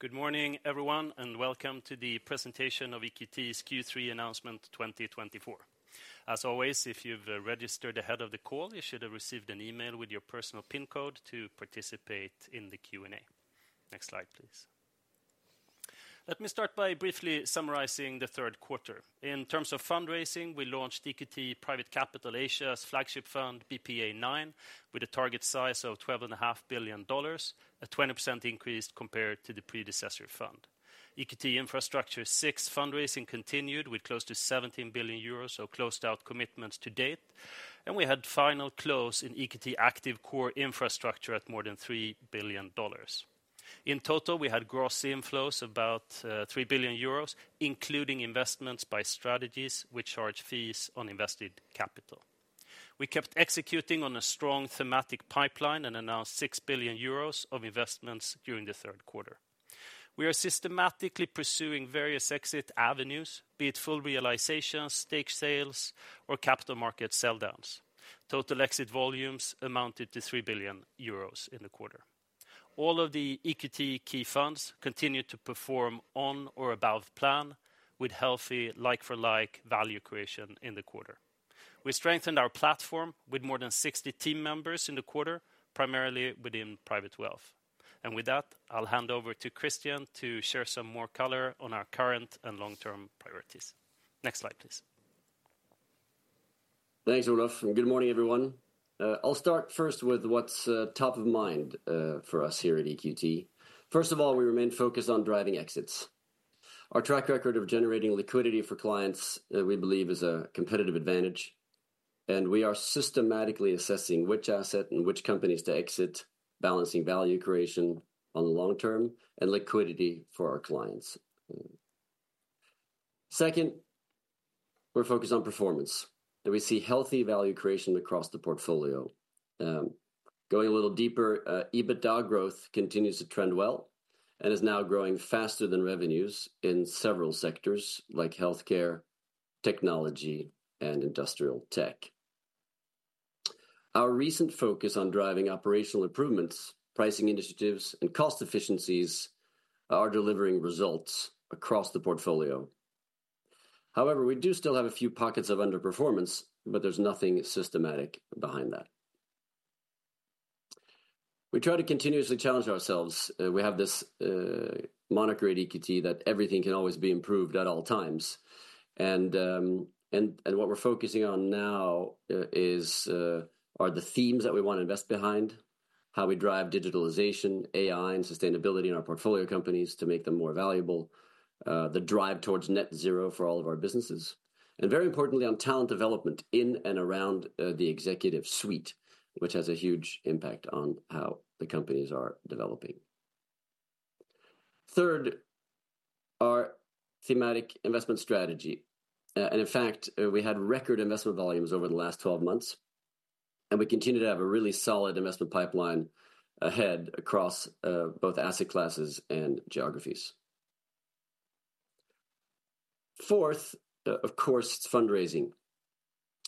Good morning, everyone, and welcome to the presentation of EQT's Q3 announcement twenty twenty-four. As always, if you've registered ahead of the call, you should have received an email with your personal PIN code to participate in the Q&A. Next slide, please. Let me start by briefly summarizing the third quarter. In terms of fundraising, we launched EQT Private Capital Asia's flagship fund, BPEA IX, with a target size of $12.5 billion, a 20% increase compared to the predecessor fund. EQT Infrastructure VI fundraising continued with close to 17 billion euros of closed-out commitments to date, and we had final close in EQT Active Core Infrastructure at more than $3 billion. In total, we had gross inflows about 3 billion euros, including investments by strategies which charge fees on invested capital. We kept executing on a strong thematic pipeline and announced 6 billion euros of investments during the third quarter. We are systematically pursuing various exit avenues, be it full realizations, stake sales, or capital market sell downs. Total exit volumes amounted to 3 billion euros in the quarter. All of the EQT key funds continued to perform on or above plan, with healthy like-for-like value creation in the quarter. We strengthened our platform with more than 60 team members in the quarter, primarily within private wealth. And with that, I'll hand over to Christian to share some more color on our current and long-term priorities. Next slide, please. Thanks, Olof, and good morning, everyone. I'll start first with what's top of mind for us here at EQT. First of all, we remain focused on driving exits. Our track record of generating liquidity for clients, we believe is a competitive advantage, and we are systematically assessing which asset and which companies to exit, balancing value creation on the long term and liquidity for our clients. Second, we're focused on performance, and we see healthy value creation across the portfolio. Going a little deeper, EBITDA growth continues to trend well and is now growing faster than revenues in several sectors like healthcare, technology, and industrial tech. Our recent focus on driving operational improvements, pricing initiatives, and cost efficiencies are delivering results across the portfolio. However, we do still have a few pockets of underperformance, but there's nothing systematic behind that. We try to continuously challenge ourselves. We have this moniker at EQT that everything can always be improved at all times, and what we're focusing on now are the themes that we want to invest behind, how we drive digitalization, AI, and sustainability in our portfolio companies to make them more valuable, the drive towards net zero for all of our businesses, and very importantly, on talent development in and around the executive suite, which has a huge impact on how the companies are developing. Third, our thematic investment strategy, and in fact, we had record investment volumes over the last twelve months, and we continue to have a really solid investment pipeline ahead across both asset classes and geographies. Fourth, of course, fundraising.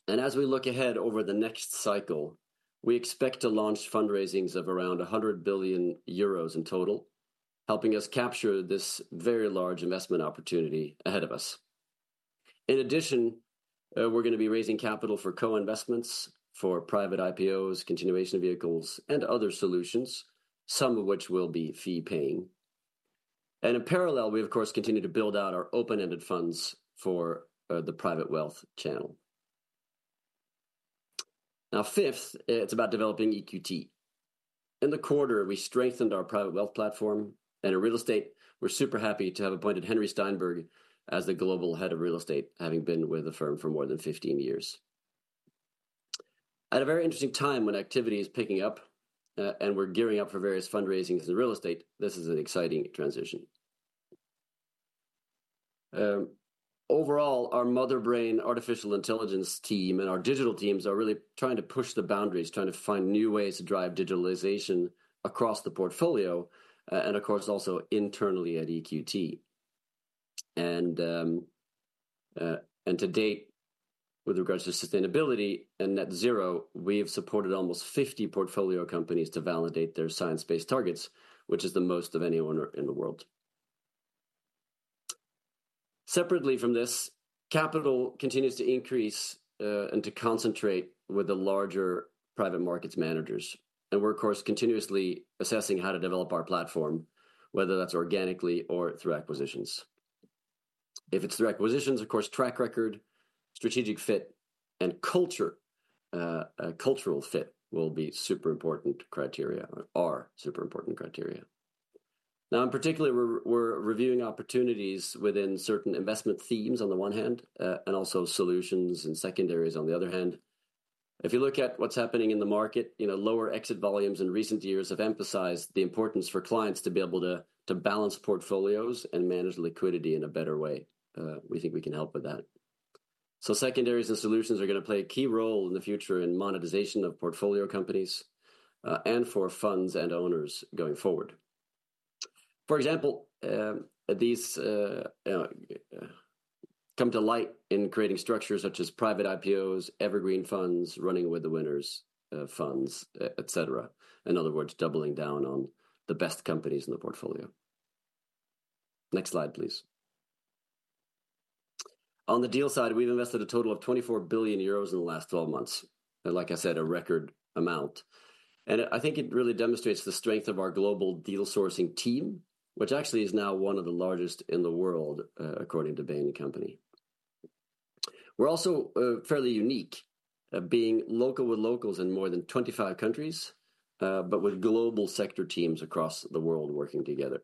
And as we look ahead over the next cycle, we expect to launch fundraisings of around 100 billion euros in total, helping us capture this very large investment opportunity ahead of us. In addition, we're going to be raising capital for co-investments, for private IPOs, continuation vehicles, and other solutions, some of which will be fee-paying. And in parallel, we of course continue to build out our open-ended funds for the private wealth channel. Now, fifth, it's about developing EQT. In the quarter, we strengthened our private wealth platform, and in real estate, we're super happy to have appointed Henrik Stjernqvist as the Global Head of Real Estate, having been with the firm for more than 15 years. At a very interesting time, when activity is picking up, and we're gearing up for various fundraisings in real estate, this is an exciting transition. Overall, our Mother Brain artificial intelligence team and our digital teams are really trying to push the boundaries, trying to find new ways to drive digitalization across the portfolio, and of course, also internally at EQT. And to date, with regards to sustainability and net zero, we have supported almost 50 portfolio companies to validate their science-based targets, which is the most of anyone in the world. Separately from this, capital continues to increase and to concentrate with the larger private markets managers. And we're, of course, continuously assessing how to develop our platform, whether that's organically or through acquisitions. If it's through acquisitions, of course, track record, strategic fit, and culture, cultural fit will be super important criteria or are super important criteria. Now, in particular, we're reviewing opportunities within certain investment themes on the one hand, and also solutions and secondaries on the other hand. If you look at what's happening in the market, you know, lower exit volumes in recent years have emphasized the importance for clients to be able to balance portfolios and manage liquidity in a better way. We think we can help with that. So secondaries and solutions are going to play a key role in the future in monetization of portfolio companies, and for funds and owners going forward. For example, these come to light in creating structures such as private IPOs, evergreen funds, running with the winners, funds, et cetera. In other words, doubling down on the best companies in the portfolio. Next slide, please. On the deal side, we've invested a total of 24 billion euros in the last 12 months, and like I said, a record amount. And I think it really demonstrates the strength of our global deal sourcing team, which actually is now one of the largest in the world, according to Bain & Company. We're also fairly unique at being local with locals in more than 25 countries, but with global sector teams across the world working together.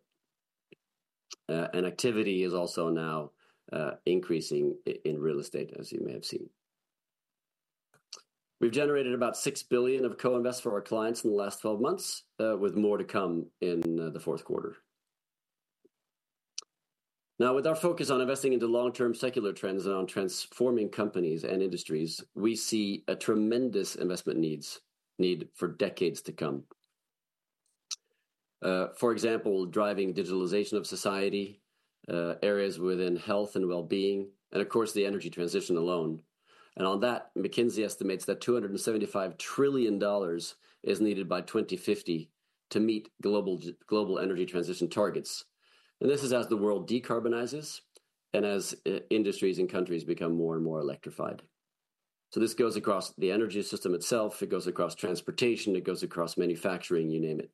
And activity is also now increasing in real estate, as you may have seen. We've generated about six billion EUR of co-invest for our clients in the last 12 months, with more to come in the fourth quarter. Now, with our focus on investing into long-term secular trends and on transforming companies and industries, we see a tremendous investment need for decades to come. For example, driving digitalization of society, areas within health and well-being, and of course, the energy transition alone, and on that, McKinsey estimates that $275 trillion is needed by 2050 to meet global energy transition targets, and this is as the world decarbonizes and as industries and countries become more and more electrified, so this goes across the energy system itself, it goes across transportation, it goes across manufacturing, you name it.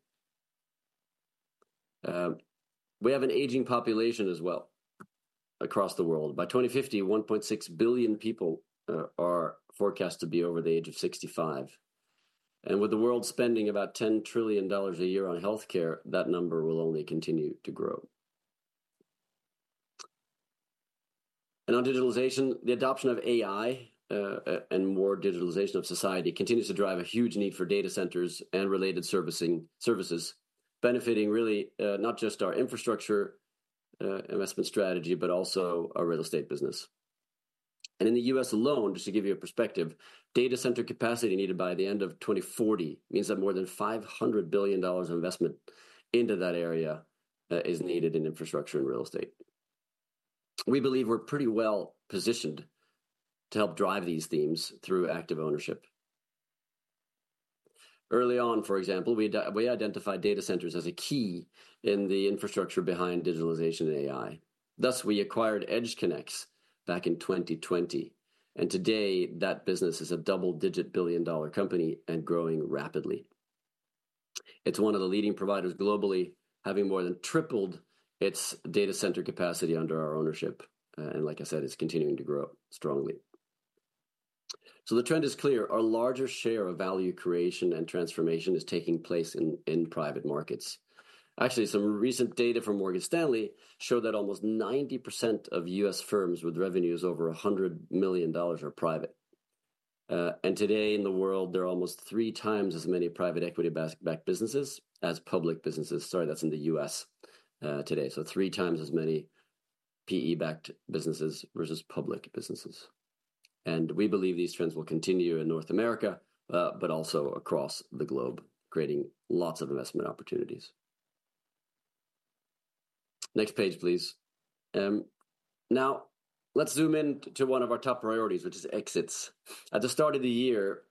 We have an aging population as well across the world. By 2050, 1.6 billion people are forecast to be over the age of 65, and with the world spending about $10 trillion a year on healthcare, that number will only continue to grow. On digitalization, the adoption of AI and more digitalization of society continues to drive a huge need for data centers and related services, benefiting really not just our infrastructure investment strategy, but also our real estate business. In the US alone, just to give you a perspective, data center capacity needed by the end of 2040 means that more than $500 billion of investment into that area is needed in infrastructure and real estate. We believe we're pretty well positioned to help drive these themes through active ownership. Early on, for example, we identified data centers as a key in the infrastructure behind digitalization and AI. Thus, we acquired EdgeConneX back in 2020, and today, that business is a double-digit billion-dollar company and growing rapidly. It's one of the leading providers globally, having more than tripled its data center capacity under our ownership, and like I said, it's continuing to grow strongly. So the trend is clear: Our larger share of value creation and transformation is taking place in private markets. Actually, some recent data from Morgan Stanley show that almost 90% of U.S. firms with revenues over $100 million are private. And today in the world, there are almost three times as many private equity-backed businesses as public businesses. Sorry, that's in the U.S., today. So three times as many PE-backed businesses versus public businesses. And we believe these trends will continue in North America, but also across the globe, creating lots of investment opportunities. Next page, please. Now, let's zoom in to one of our top priorities, which is exits. At the start of the year,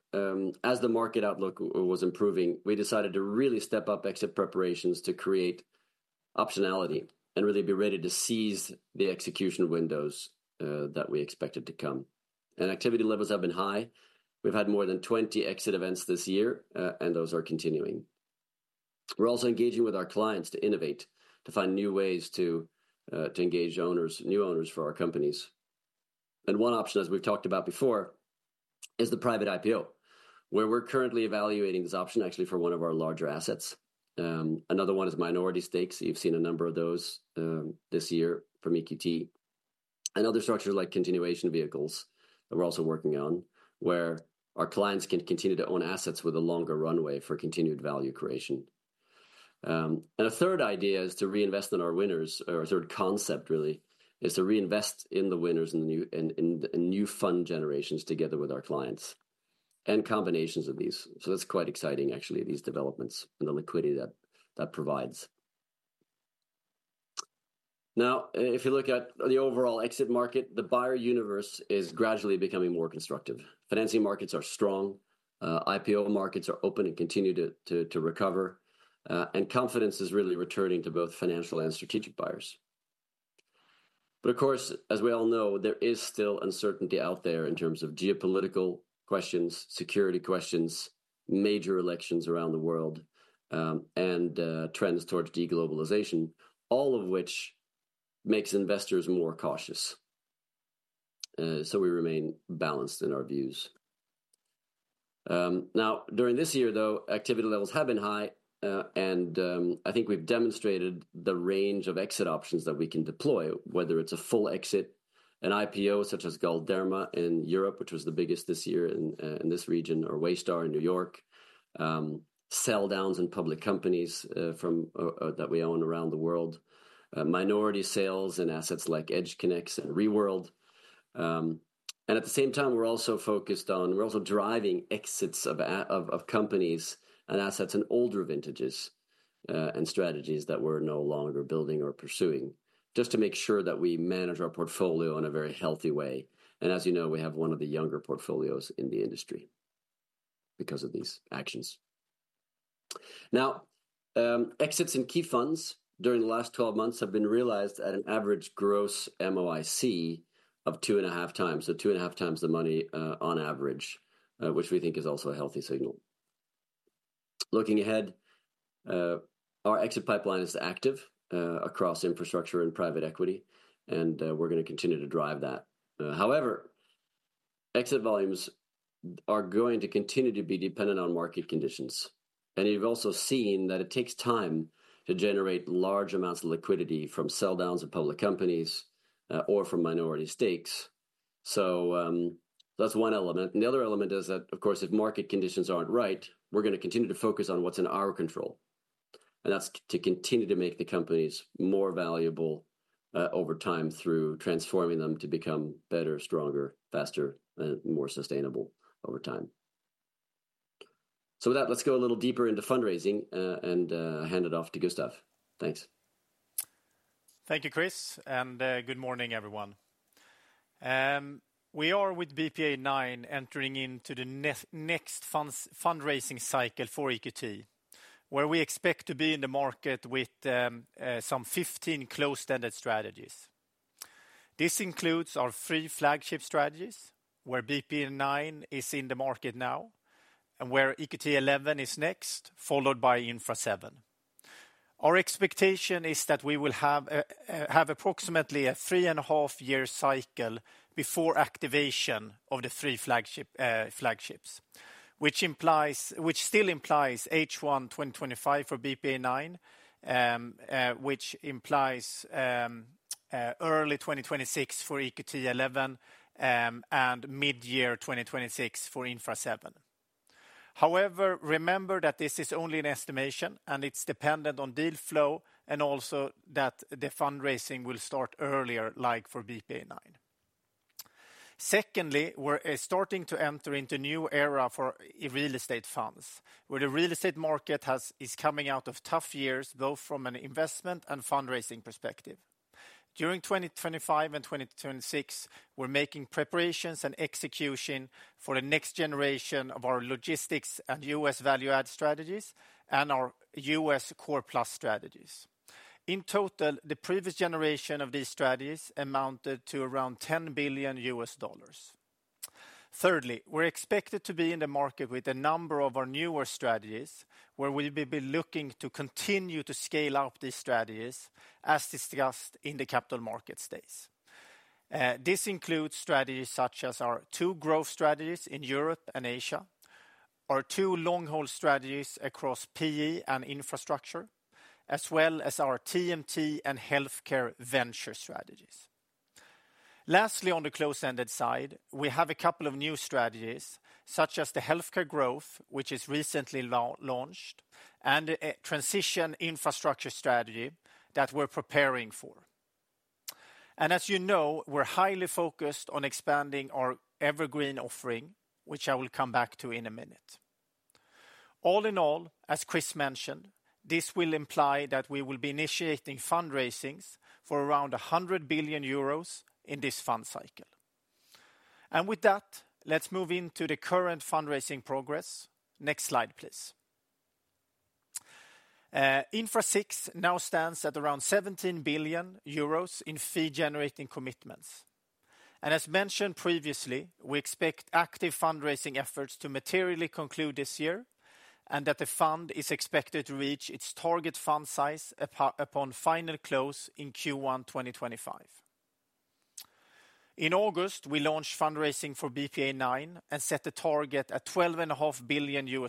as the market outlook was improving, we decided to really step up exit preparations to create optionality and really be ready to seize the execution windows that we expected to come, and activity levels have been high. We've had more than twenty exit events this year, and those are continuing. We're also engaging with our clients to innovate, to find new ways to engage owners, new owners for our companies, and one option, as we've talked about before, is the private IPO, where we're currently evaluating this option, actually, for one of our larger assets. Another one is minority stakes. You've seen a number of those this year from EQT. And other structures, like continuation vehicles, that we're also working on, where our clients can continue to own assets with a longer runway for continued value creation. And a third idea is to reinvest in our winners, or a third concept, really, is to reinvest in the winners in new fund generations together with our clients, and combinations of these. So that's quite exciting, actually, these developments and the liquidity that provides. Now, if you look at the overall exit market, the buyer universe is gradually becoming more constructive. Financing markets are strong, IPO markets are open and continue to recover, and confidence is really returning to both financial and strategic buyers. But of course, as we all know, there is still uncertainty out there in terms of geopolitical questions, security questions, major elections around the world, and trends towards de-globalization, all of which makes investors more cautious. So we remain balanced in our views. Now, during this year, though, activity levels have been high, and I think we've demonstrated the range of exit options that we can deploy, whether it's a full exit, an IPO, such as Galderma in Europe, which was the biggest this year in this region, or Waystar in New York, sell downs in public companies from that we own around the world, minority sales and assets like EdgeConneX and Reworld. And at the same time, we're also focused on, we're also driving exits of companies and assets in older vintages. And strategies that we're no longer building or pursuing, just to make sure that we manage our portfolio in a very healthy way. And as you know, we have one of the younger portfolios in the industry because of these actions. Now, exits in key funds during the last twelve months have been realized at an average gross MOIC of two and a half times. So two and a half times the money, on average, which we think is also a healthy signal. Looking ahead, our exit pipeline is active across infrastructure and private equity, and, we're gonna continue to drive that. However, exit volumes are going to continue to be dependent on market conditions. And you've also seen that it takes time to generate large amounts of liquidity from sell downs of public companies, or from minority stakes. So, that's one element. And the other element is that, of course, if market conditions aren't right, we're gonna continue to focus on what's in our control, and that's to continue to make the companies more valuable, over time through transforming them to become better, stronger, faster, and more sustainable over time. So with that, let's go a little deeper into fundraising, and hand it off to Gustav. Thanks. Thank you, Chris, and good morning, everyone. We are with BPEA9 entering into the next fundraising cycle for EQT, where we expect to be in the market with some 15 closed-ended strategies. This includes our three flagship strategies, where BPEEA9 is in the market now, and where EQT XI is next, followed by Infra VII. Our expectation is that we will have approximately a three and a half year cycle before activation of the three flagship flagships, which still implies H1 2025 for BPEA9, which implies early 2026 for EQT XI, and mid-year 2026 for Infra VII. However, remember that this is only an estimation, and it's dependent on deal flow, and also that the fundraising will start earlier, like for BPEA9. Secondly, we're starting to enter into new era for real estate funds, where the real estate market is coming out of tough years, both from an investment and fundraising perspective. During 2025 and 2026, we're making preparations and execution for the next generation of our logistics and U.S. value add strategies and our U.S. Core Plus strategies. In total, the previous generation of these strategies amounted to around $10 billion. Thirdly, we're expected to be in the market with a number of our newer strategies, where we will be looking to continue to scale out these strategies, as discussed in the capital market space. This includes strategies such as our two growth strategies in Europe and Asia, our two long-haul strategies across PE and infrastructure, as well as our TMT and healthcare venture strategies. Lastly, on the close-ended side, we have a couple of new strategies, such as the healthcare growth, which is recently launched, and a transition infrastructure strategy that we're preparing for. As you know, we're highly focused on expanding our evergreen offering, which I will come back to in a minute. All in all, as Chris mentioned, this will imply that we will be initiating fundraisings for around 100 billion euros in this fund cycle. With that, let's move into the current fundraising progress. Next slide, please. Infra VI now stands at around 17 billion euros in fee-generating commitments. As mentioned previously, we expect active fundraising efforts to materially conclude this year, and that the fund is expected to reach its target fund size upon final close in Q1 2025. In August, we launched fundraising for BPEA9 and set a target at $12.5 billion.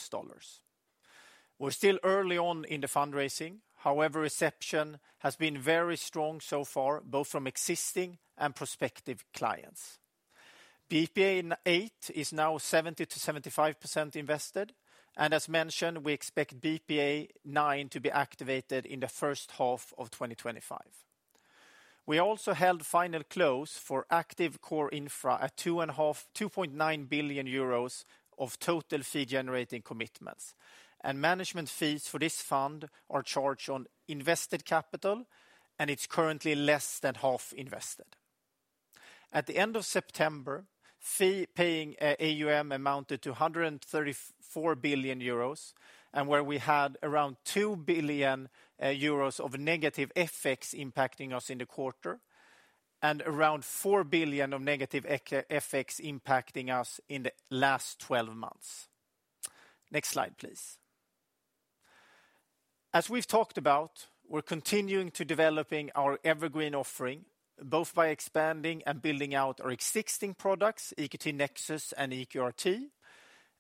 We're still early on in the fundraising. However, reception has been very strong so far, both from existing and prospective clients. BPEA VIII is now 70%-75% invested, and as mentioned, we expect BPEA9 to be activated in the first half of 2025. We also held final close for active core infra at 2.9 billion euros of total fee generating commitments, and management fees for this fund are charged on invested capital, and it's currently less than half invested. At the end of September, fee paying AUM amounted to 134 billion euros, and where we had around 2 billion euros of negative FX impacting us in the quarter, and around 4 billion of negative FX impacting us in the last twelve months. Next slide, please. As we've talked about, we're continuing to developing our evergreen offering, both by expanding and building out our existing products, EQT Nexus and EQRT,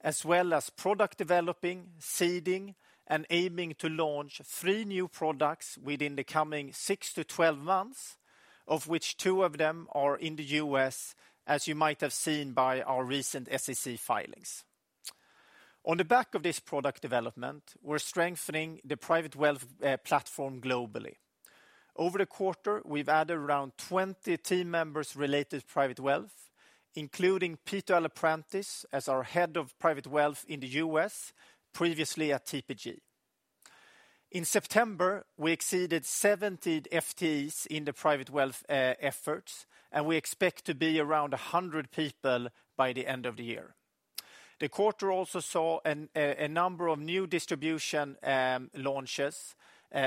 as well as product developing, seeding, and aiming to launch 3 new products within the coming 6-12 months, of which 2 of them are in the U.S., as you might have seen by our recent SEC filings. On the back of this product development, we're strengthening the private wealth platform globally. Over the quarter, we've added around 20 team members related to private wealth, including Peter Alaprantis as our head of private wealth in the US, previously at TPG. In September, we exceeded 70 FTEs in the private wealth efforts, and we expect to be around 100 people by the end of the year. The quarter also saw a number of new distribution launches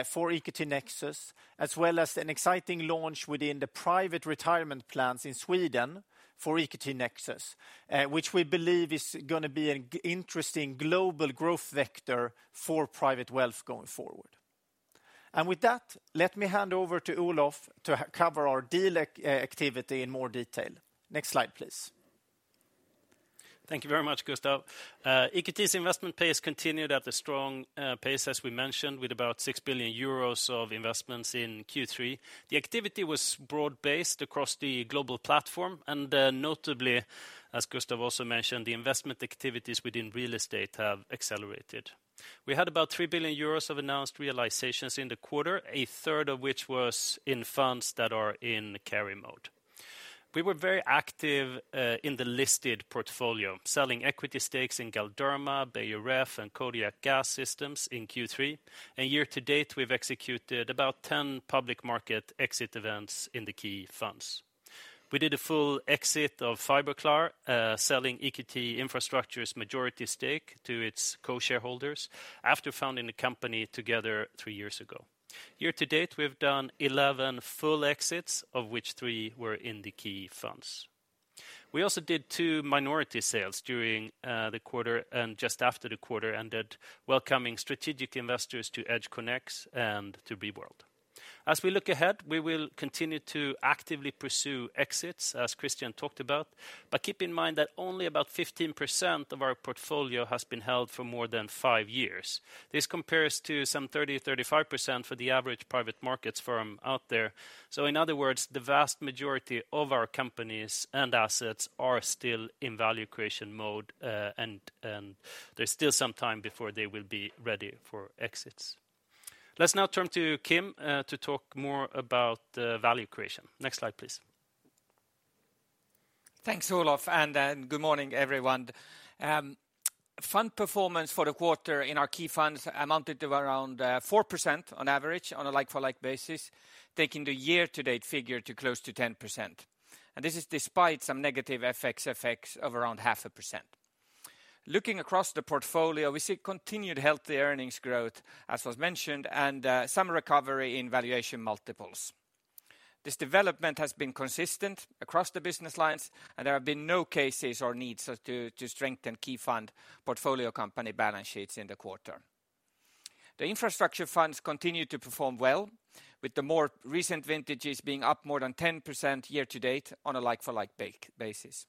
for EQT Nexus, as well as an exciting launch within the private retirement plans in Sweden for EQT Nexus, which we believe is gonna be an interesting global growth vector for private wealth going forward. And with that, let me hand over to Olof to cover our deal activity in more detail. Next slide, please. Thank you very much, Gustav. EQT's investment pace continued at a strong pace, as we mentioned, with about 6 billion euros of investments in Q3. The activity was broad-based across the global platform, and notably, as Gustav also mentioned, the investment activities within real estate have accelerated. We had about 3 billion euros of announced realizations in the quarter, a third of which was in funds that are in carry mode. We were very active in the listed portfolio, selling equity stakes in Galderma, Beijer Ref, and Kodiak Gas Services in Q3, and year to date, we've executed about 10 public market exit events in the key funds. We did a full exit of Fiberklaar, selling EQT Infrastructure's majority stake to its co-shareholders after founding the company together three years ago. Year to date, we've done eleven full exits, of which three were in the key funds. We also did two minority sales during the quarter and just after the quarter, and then welcoming strategic investors to EdgeConneX and to Reworld. As we look ahead, we will continue to actively pursue exits, as Christian talked about, but keep in mind that only about 15% of our portfolio has been held for more than five years. This compares to some 30-35% for the average private markets firm out there. So in other words, the vast majority of our companies and assets are still in value creation mode, and there's still some time before they will be ready for exits. Let's now turn to Kim to talk more about value creation. Next slide, please. Thanks, Olof, and good morning, everyone. Fund performance for the quarter in our key funds amounted to around 4% on average on a like-for-like basis, taking the year-to-date figure to close to 10%, and this is despite some negative FX of around 0.5%. Looking across the portfolio, we see continued healthy earnings growth, as was mentioned, and some recovery in valuation multiples. This development has been consistent across the business lines, and there have been no cases or needs to strengthen key fund portfolio company balance sheets in the quarter. The infrastructure funds continue to perform well, with the more recent vintages being up more than 10% year to date on a like-for-like basis.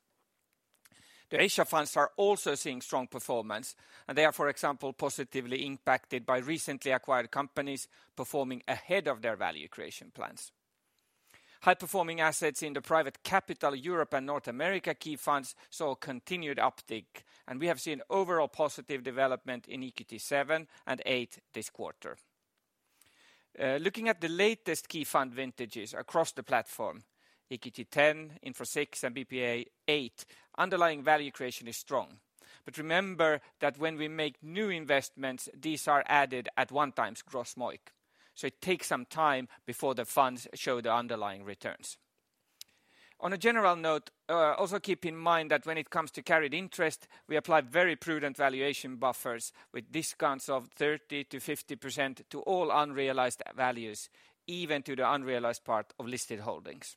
The Asia funds are also seeing strong performance, and they are, for example, positively impacted by recently acquired companies performing ahead of their value creation plans. High-performing assets in the private capital, Europe and North America key funds saw a continued uptick, and we have seen overall positive development in EQT VII and VIII this quarter. Looking at the latest key fund vintages across the platform, EQT X, Infra six, and BPEA eight, underlying value creation is strong. But remember that when we make new investments, these are added at one times gross MOIC, so it takes some time before the funds show the underlying returns. On a general note, also keep in mind that when it comes to carried interest, we apply very prudent valuation buffers with discounts of 30%-50% to all unrealized values, even to the unrealized part of listed holdings.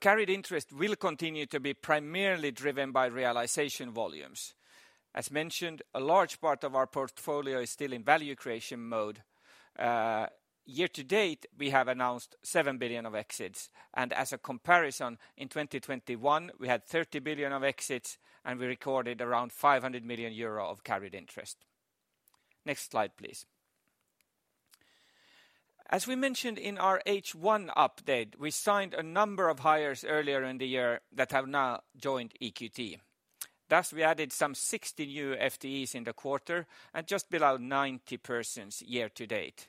Carried interest will continue to be primarily driven by realization volumes. As mentioned, a large part of our portfolio is still in value creation mode. Year to date, we have announced 7 billion of exits, and as a comparison, in 2021, we had 30 billion of exits, and we recorded around 500 million euro of carried interest. Next slide, please. As we mentioned in our H1 update, we signed a number of hires earlier in the year that have now joined EQT. Thus, we added some 60 new FTEs in the quarter and just below 90 persons year to date.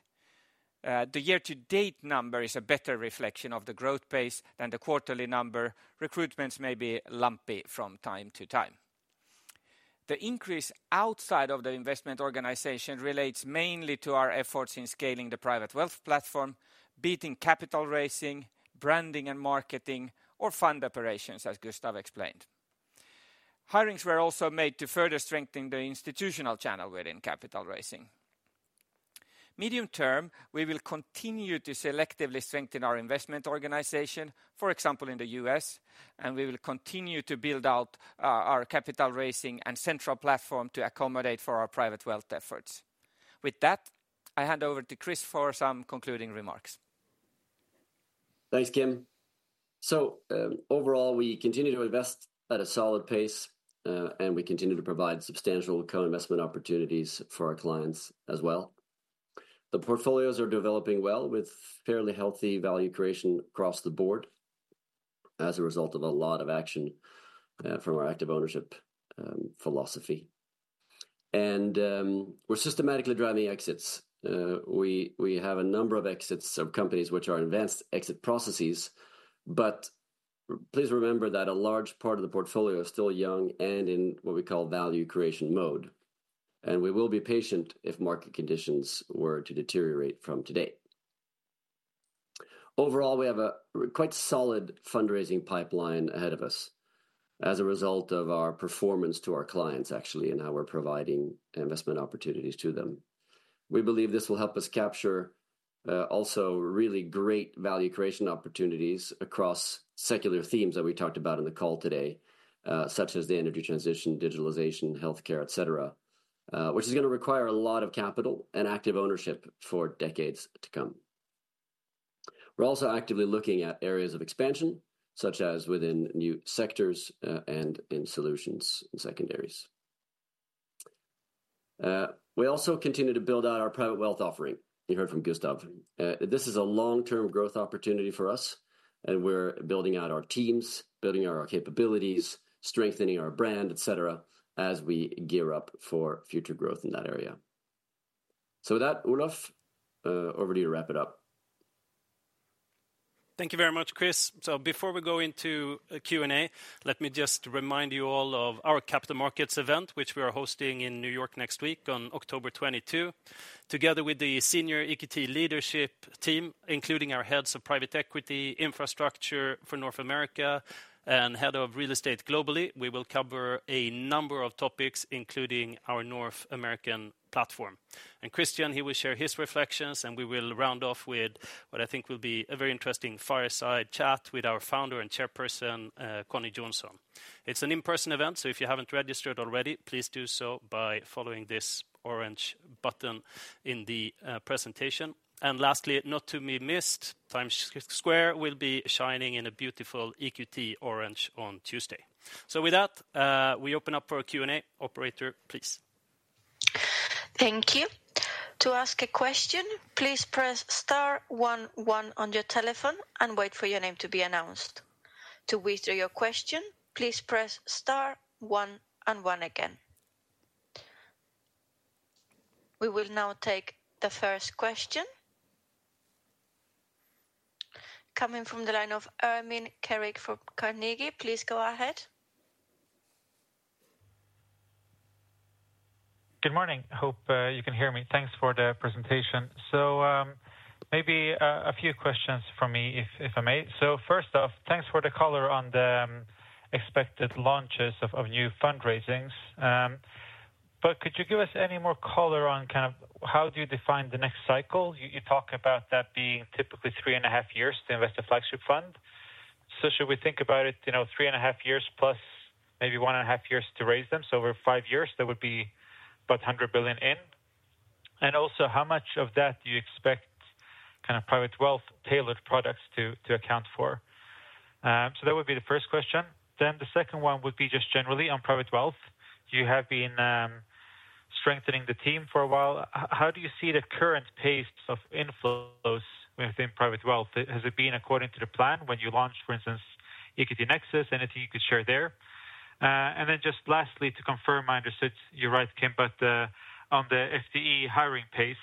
The year-to-date number is a better reflection of the growth pace than the quarterly number. Recruitments may be lumpy from time to time. The increase outside of the investment organization relates mainly to our efforts in scaling the private wealth platform, beating capital raising, branding and marketing, or fund operations, as Gustav explained. Hirings were also made to further strengthen the institutional channel within capital raising. Medium term, we will continue to selectively strengthen our investment organization, for example, in the US, and we will continue to build out our, our capital raising and central platform to accommodate for our private wealth efforts. With that, I hand over to Chris for some concluding remarks. Thanks, Kim. Overall, we continue to invest at a solid pace, and we continue to provide substantial co-investment opportunities for our clients as well. The portfolios are developing well, with fairly healthy value creation across the board. as a result of a lot of action from our active ownership philosophy. And we're systematically driving exits. We have a number of exits of companies which are in advanced exit processes, but please remember that a large part of the portfolio is still young and in what we call value creation mode, and we will be patient if market conditions were to deteriorate from today. Overall, we have a quite solid fundraising pipeline ahead of us as a result of our performance to our clients, actually, and how we're providing investment opportunities to them. We believe this will help us capture also really great value creation opportunities across secular themes that we talked about in the call today, such as the energy transition, digitalization, healthcare, et cetera, which is gonna require a lot of capital and active ownership for decades to come. We're also actively looking at areas of expansion, such as within new sectors, and in solutions and secondaries. We also continue to build out our private wealth offering. You heard from Gustav. This is a long-term growth opportunity for us, and we're building out our teams, building out our capabilities, strengthening our brand, et cetera, as we gear up for future growth in that area. So with that, Olof, over to you to wrap it up. Thank you very much, Chris. So before we go into a Q&A, let me just remind you all of our capital markets event, which we are hosting in New York next week on October twenty-two. Together with the senior EQT leadership team, including our heads of private equity, infrastructure for North America, and head of real estate globally, we will cover a number of topics, including our North American platform. And Christian, he will share his reflections, and we will round off with what I think will be a very interesting fireside chat with our founder and chairperson, Conni Jonsson. It's an in-person event, so if you haven't registered already, please do so by following this orange button in the presentation. And lastly, not to be missed, Times Square will be shining in a beautiful EQT orange on Tuesday. So with that, we open up for a Q&A. Operator, please. Thank you. To ask a question, please press star one one on your telephone and wait for your name to be announced. To withdraw your question, please press star one and one again. We will now take the first question. Coming from the line of Ermin Keric from Carnegie. Please go ahead. Good morning. Hope you can hear me. Thanks for the presentation. So maybe a few questions from me, if I may. So first off, thanks for the color on the expected launches of new fundraisings. But could you give us any more color on kind of how do you define the next cycle? You talk about that being typically three and a half years to invest a flagship fund. So should we think about it, you know, three and a half years plus maybe one and a half years to raise them? So over five years, that would be about 100 billion in. And also, how much of that do you expect kind of private wealth tailored products to account for? So that would be the first question. Then the second one would be just generally on private wealth. You have been strengthening the team for a while. How do you see the current pace of inflows within private wealth? Has it been according to the plan when you launched, for instance, EQT Nexus? Anything you could share there. And then just lastly, to confirm, I understood you're right, Kim, but on the FTE hiring pace,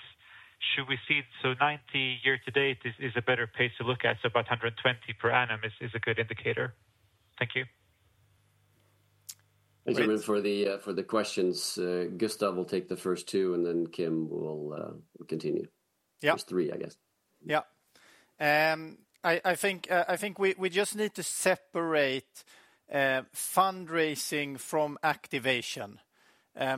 should we see... So 90 year to date is a better pace to look at, so about 120 per annum is a good indicator? Thank you. Thank you for the questions. Gustav will take the first two, and then Kim will continue. Yeah. First three, I guess. Yeah. I think we just need to separate fundraising from activation.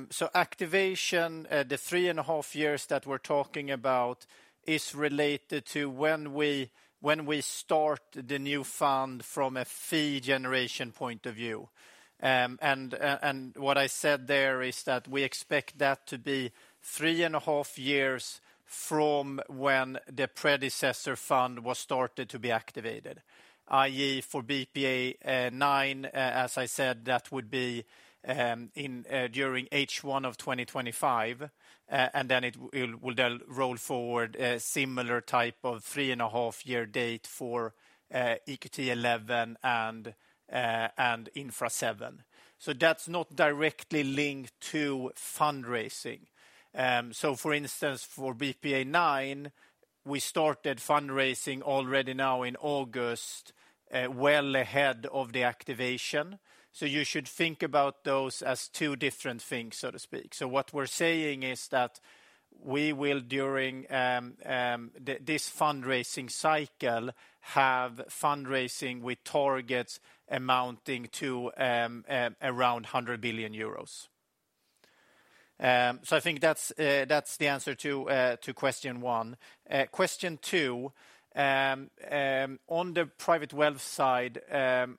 So activation, the three and a half years that we're talking about, is related to when we start the new fund from a fee generation point of view. And what I said there is that we expect that to be three and a half years from when the predecessor fund was started to be activated, i.e., for BPEA IX, as I said, that would be in during H1 of twenty twenty-five, and then it will then roll forward a similar type of three-and-a-half-year date for EQT eleven and Infra seven. So that's not directly linked to fundraising. So for instance, for BPEA IX, we started fundraising already now in August, well ahead of the activation. So you should think about those as two different things, so to speak. So what we're saying is that we will, during this fundraising cycle, have fundraising with targets amounting to around 100 billion euros. So I think that's the answer to question one. Question two, on the private wealth side,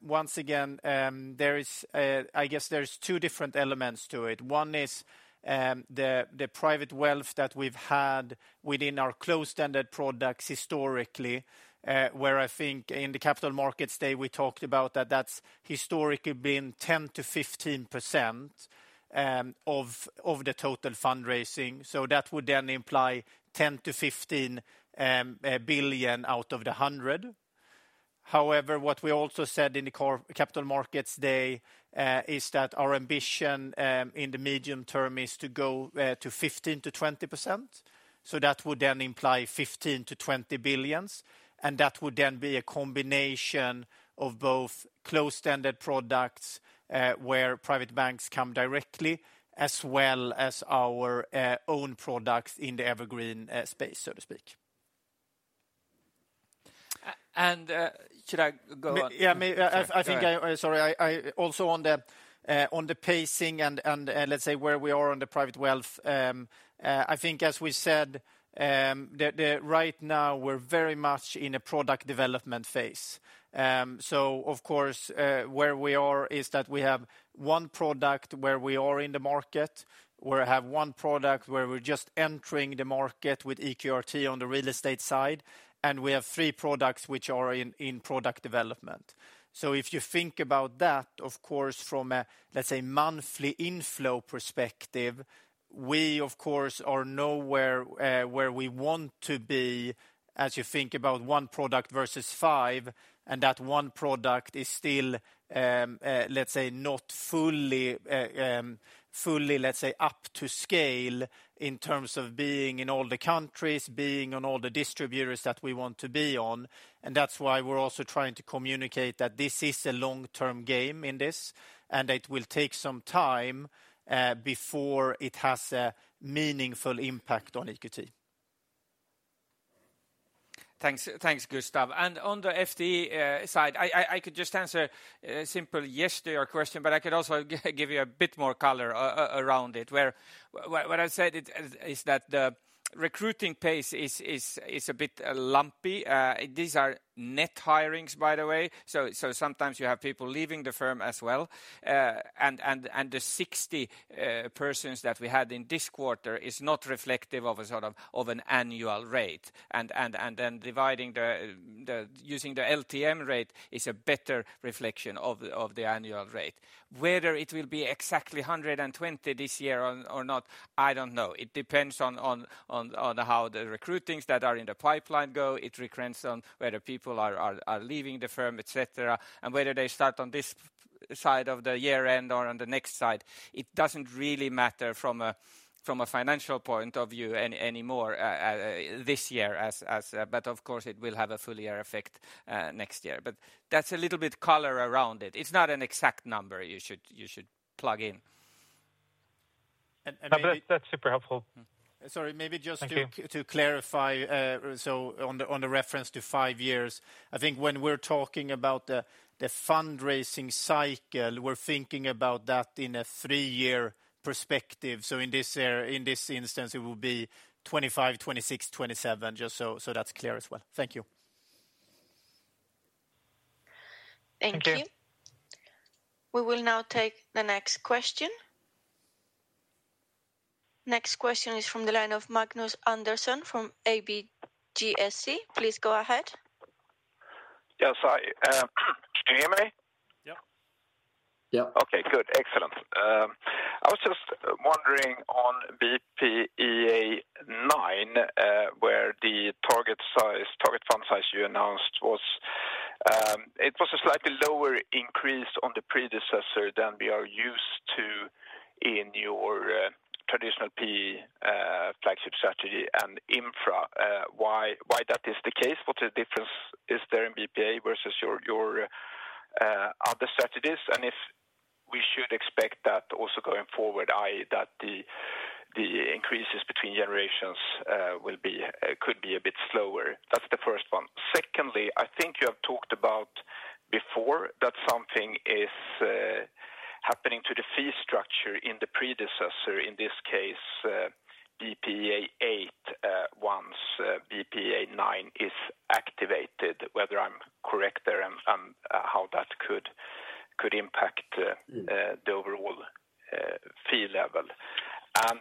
once again, there is, I guess there's two different elements to it. One is the private wealth that we've had within our closed-ended products historically, where I think in the Capital Markets Day, we talked about that that's historically been 10% to 15% of the total fundraising. So that would then imply 10-15 billion out of the 100. However, what we also said in the core capital markets day is that our ambition in the medium term is to go to 15%-20%. So that would then imply 15-20 billion, and that would then be a combination of both closed-ended products where private banks come directly, as well as our own products in the evergreen space, so to speak. Should I go on? Yeah, I think I- Sorry. Sorry, I also on the pacing and let's say where we are on the private wealth. I think as we said, right now we're very much in a product development phase. So of course, where we are is that we have one product where we are in the market. We have one product where we're just entering the market with EQT on the real estate side, and we have three products which are in product development. So if you think about that, of course, from a let's say monthly inflow perspective, we of course are nowhere where we want to be, as you think about one product versus five, and that one product is still let's say not fully up to scale in terms of being in all the countries, being on all the distributors that we want to be on. And that's why we're also trying to communicate that this is a long-term game in this, and it will take some time before it has a meaningful impact on EQT. Thanks, thanks, Gustav. And on the FD side, I could just answer a simple yes to your question, but I could also give you a bit more color around it. What I said is that the recruiting pace is a bit lumpy. These are net hirings, by the way, so sometimes you have people leaving the firm as well. And the sixty persons that we had in this quarter is not reflective of a sort of an annual rate. And then dividing the... Using the LTM rate is a better reflection of the annual rate. Whether it will be exactly hundred and twenty this year or not, I don't know. It depends on how the recruitings that are in the pipeline go. It depends on whether people are leaving the firm, et cetera, and whether they start on this side of the year-end or on the next side. It doesn't really matter from a financial point of view anymore this year. But of course, it will have a full year effect next year. But that's a little bit color around it. It's not an exact number you should plug in. And maybe- That's super helpful. Sorry, maybe just thank you to clarify, so on the reference to five years, I think when we're talking about the fundraising cycle, we're thinking about that in a three-year perspective. So in this instance, it will be 2025, 2026, 2027, just so that's clear as well. Thank you. Thank you. Thank you. We will now take the next question. Next question is from the line of Magnus Andersson from ABGSC. Please go ahead. Yes, hi. Can you hear me? Yeah. Yeah. Okay, good. Excellent. I was just wondering on BPEA nine, where the target size, target fund size you announced was, it was a slightly lower increase on the predecessor than we are used to in your traditional PE flagship strategy and infra. Why that is the case? What difference is there in BPEA versus your other strategies, and if we should expect that also going forward, i.e., that the increases between generations will be could be a bit slower? That's the first one. Secondly, I think you have talked about before that something is happening to the fee structure in the predecessor, in this case BPEA eight, once BPEA nine is activated, whether I'm correct there, and how that could impact the overall, fee level. And,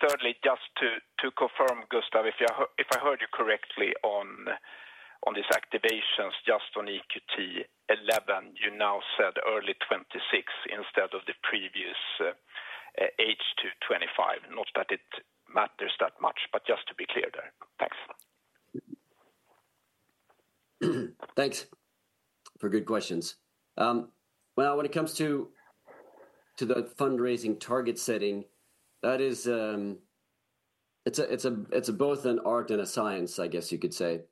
thirdly, just to confirm, Gustav, if I heard you correctly on these activations, just on EQT eleven, you now said early 2026 instead of the previous H2 2025. Not that it matters that much, but just to be clear there. Thanks. Thanks for good questions. Well, when it comes to the fundraising target setting, that is... It's both an art and a science, I guess you could say.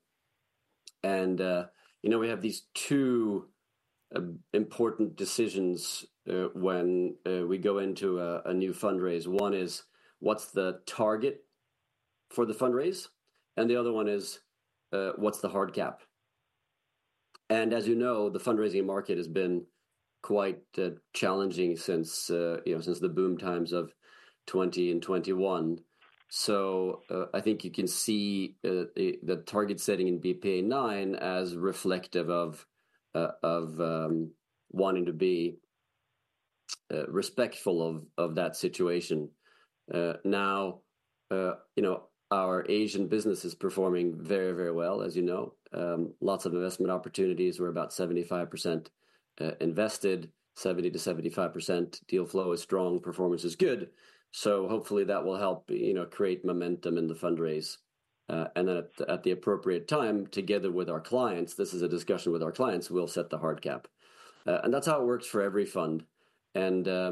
And you know, we have these two important decisions, when we go into a new fundraise. One is, what's the target for the fundraise? And the other one is, what's the hard cap? And as you know, the fundraising market has been quite challenging since you know, since the boom times of 2020 and 2021. So I think you can see the target setting in BPEA nine as reflective of wanting to be respectful of that situation. Now you know, our Asian business is performing very, very well, as you know. Lots of investment opportunities. We're about 75%, invested, 70%-75%. Deal flow is strong, performance is good, so hopefully that will help, you know, create momentum in the fundraise. And then at the appropriate time, together with our clients, this is a discussion with our clients, we'll set the hard cap. And that's how it works for every fund. The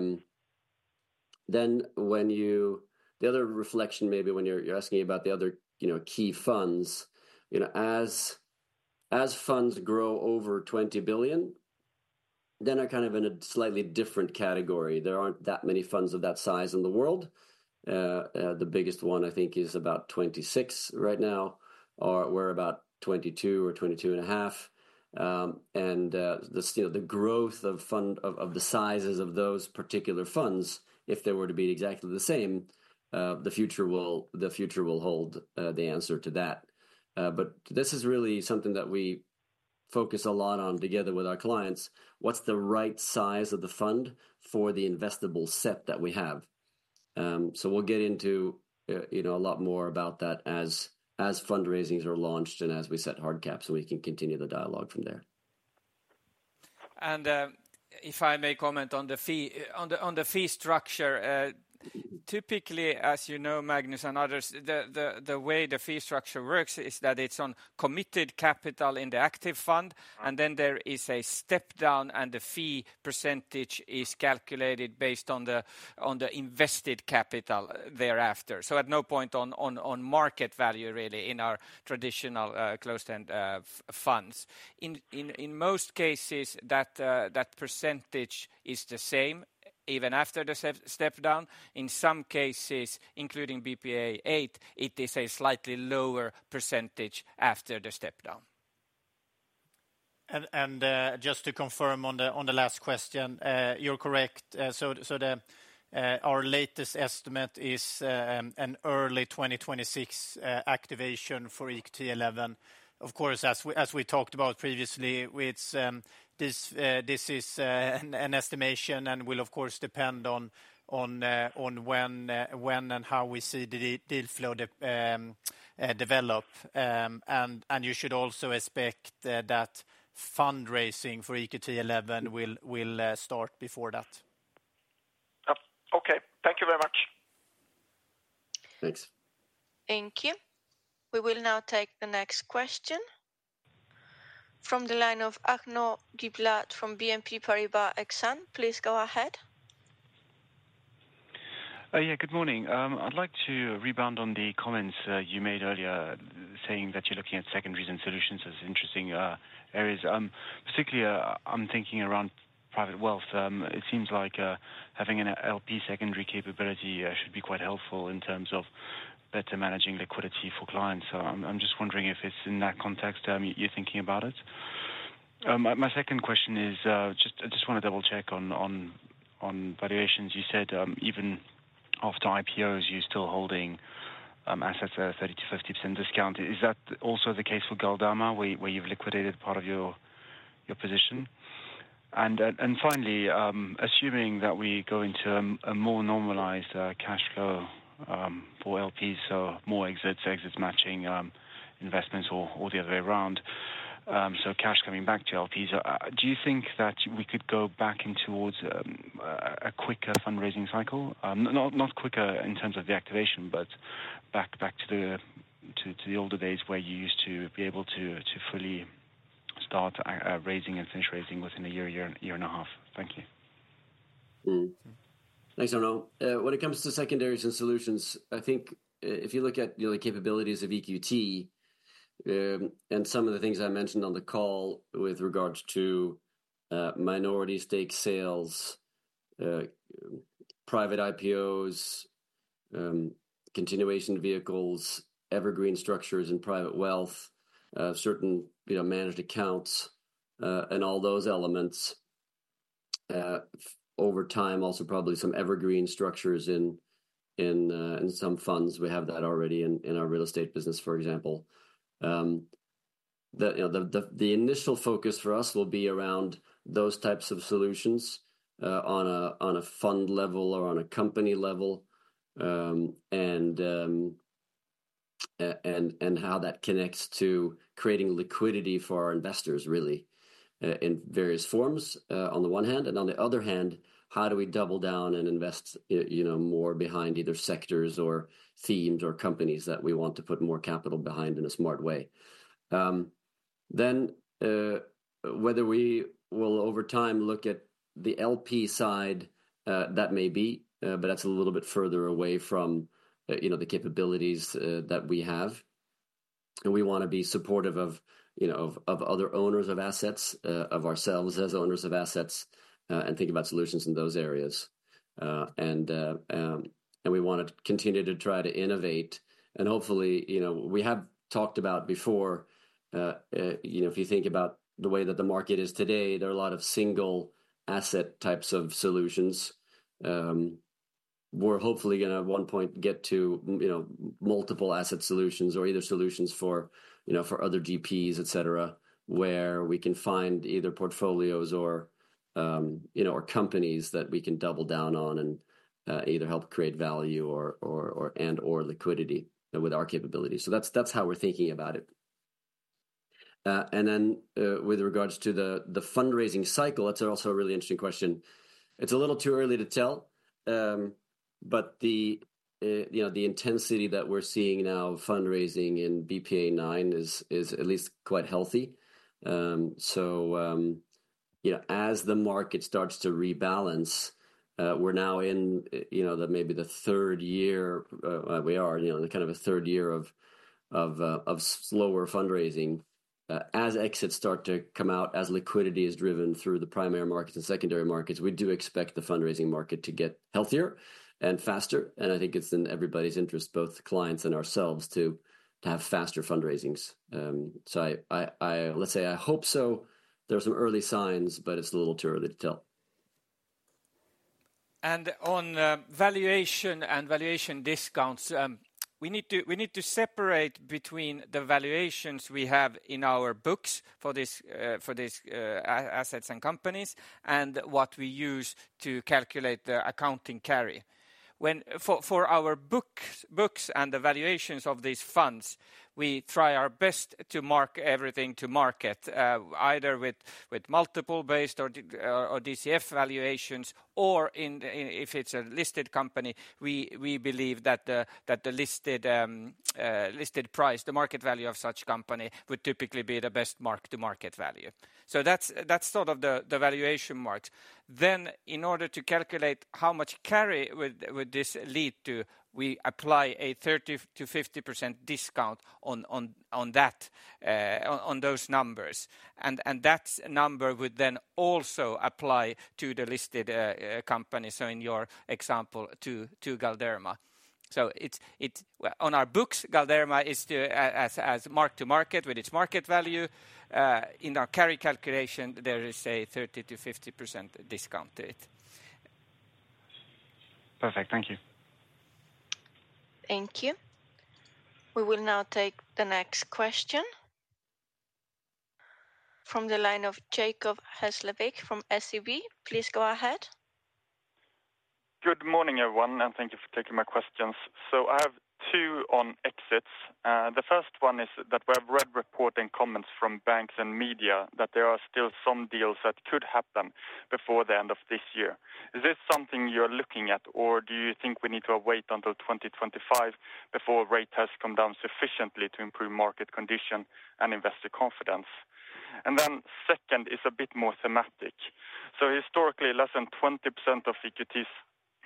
other reflection, maybe when you're asking about the other, you know, key funds, you know, as funds grow over 20 billion, then are kind of in a slightly different category. There aren't that many funds of that size in the world. The biggest one, I think, is about 26 right now, or we're about 22 or 22 and a half. And still, the growth of the sizes of those particular funds, if they were to be exactly the same, the future will hold the answer to that, but this is really something that we focus a lot on together with our clients. What's the right size of the fund for the investable set that we have? So we'll get into, you know, a lot more about that as fundraisings are launched and as we set hard caps, so we can continue the dialogue from there. If I may comment on the fee structure, typically, as you know, Magnus and others, the way the fee structure works is that it's on committed capital in the active fund, and then there is a step down, and the fee percentage is calculated based on the invested capital thereafter. So at no point on market value really in our traditional closed-end funds. In most cases, that percentage is the same even after the step down. In some cases, including BPEA Eight, it is a slightly lower percentage after the step down. Just to confirm on the last question, you're correct. Our latest estimate is an early 2026 activation for EQT eleven. Of course, as we talked about previously, this is an estimation and will of course depend on when and how we see the deal flow develop. You should also expect that fundraising for EQT eleven will start before that. Yep. Okay. Thank you very much. Thanks. Thank you. We will now take the next question. From the line of Arnaud Giblat from BNP Paribas Exane. Please go ahead. Yeah, good morning. I'd like to rebound on the comments you made earlier, saying that you're looking at secondaries and solutions as interesting areas. Particularly, I'm thinking around private wealth. It seems like having an LP secondary capability should be quite helpful in terms of better managing liquidity for clients. So I'm just wondering if it's in that context you're thinking about it? My second question is just I just want to double-check on valuations. You said even after IPOs, you're still holding assets at a 30%-50% discount. Is that also the case for Galderma, where you've liquidated part of your position? Finally, assuming that we go into a more normalized cash flow for LPs, so more exits matching investments or the other way around, so cash coming back to LPs, do you think that we could go back in towards a quicker fundraising cycle? Not quicker in terms of the activation, but back to the older days where you used to be able to fully start raising and finish raising within a year and a half. Thank you. Mm-hmm. Thanks, Arnaud. When it comes to secondaries and solutions, I think, if you look at the capabilities of EQT, and some of the things I mentioned on the call with regards to, minority stake sales, private IPOs, continuation vehicles, evergreen structures and private wealth, certain, you know, managed accounts, and all those elements, over time, also probably some evergreen structures in some funds. We have that already in our real estate business, for example. You know, the initial focus for us will be around those types of solutions on a fund level or on a company level, and how that connects to creating liquidity for our investors, really, in various forms, on the one hand, and on the other hand, how do we double down and invest, you know, more behind either sectors or themes or companies that we want to put more capital behind in a smart way? Then, whether we will, over time, look at the LP side, that may be, but that's a little bit further away from, you know, the capabilities that we have. And we want to be supportive of, you know, of, of other owners of assets, of ourselves as owners of assets, and think about solutions in those areas. And we want to continue to try to innovate and hopefully. You know, we have talked about before, you know, if you think about the way that the market is today, there are a lot of single asset types of solutions. We're hopefully gonna at one point get to, you know, multiple asset solutions or either solutions for, you know, for other GPs, et cetera, where we can find either portfolios or, you know, or companies that we can double down on and, either help create value or, and/or liquidity with our capabilities. So that's how we're thinking about it. And then, with regards to the fundraising cycle, that's also a really interesting question. It's a little too early to tell. But the, you know, the intensity that we're seeing now, fundraising in BPEA IX is at least quite healthy. So, you know, as the market starts to rebalance, we're now in, you know, the third year, we are, you know, in the kind of a third year of slower fundraising. As exits start to come out, as liquidity is driven through the primary markets and secondary markets, we do expect the fundraising market to get healthier and faster, and I think it's in everybody's interest, both clients and ourselves, to have faster fundraisings. So, let's say, I hope so. There are some early signs, but it's a little too early to tell. On valuation and valuation discounts, we need to separate between the valuations we have in our books for these assets and companies, and what we use to calculate the accounting carry. For our books and the valuations of these funds, we try our best to mark everything to market, either with multiple-based or DCF valuations, or if it's a listed company, we believe that the listed price, the market value of such company, would typically be the best mark-to-market value. That's sort of the valuation mark. Then in order to calculate how much carry would this lead to, we apply a 30%-50% discount on those numbers, and that number would then also apply to the listed company, so in your example, to Galderma. So it's on our books, Galderma is as mark to market with its market value. In our carry calculation, there is a 30%-50% discount to it. Perfect. Thank you. Thank you. We will now take the next question from the line of Jacob Hesslevik from SEB. Please go ahead. Good morning, everyone, and thank you for taking my questions. So I have two on exits. The first one is that we have read reports and comments from banks and media that there are still some deals that could happen before the end of this year. Is this something you're looking at, or do you think we need to wait until twenty twenty-five before rate has come down sufficiently to improve market condition and investor confidence? And then second is a bit more thematic. So historically, less than 20% of EQT's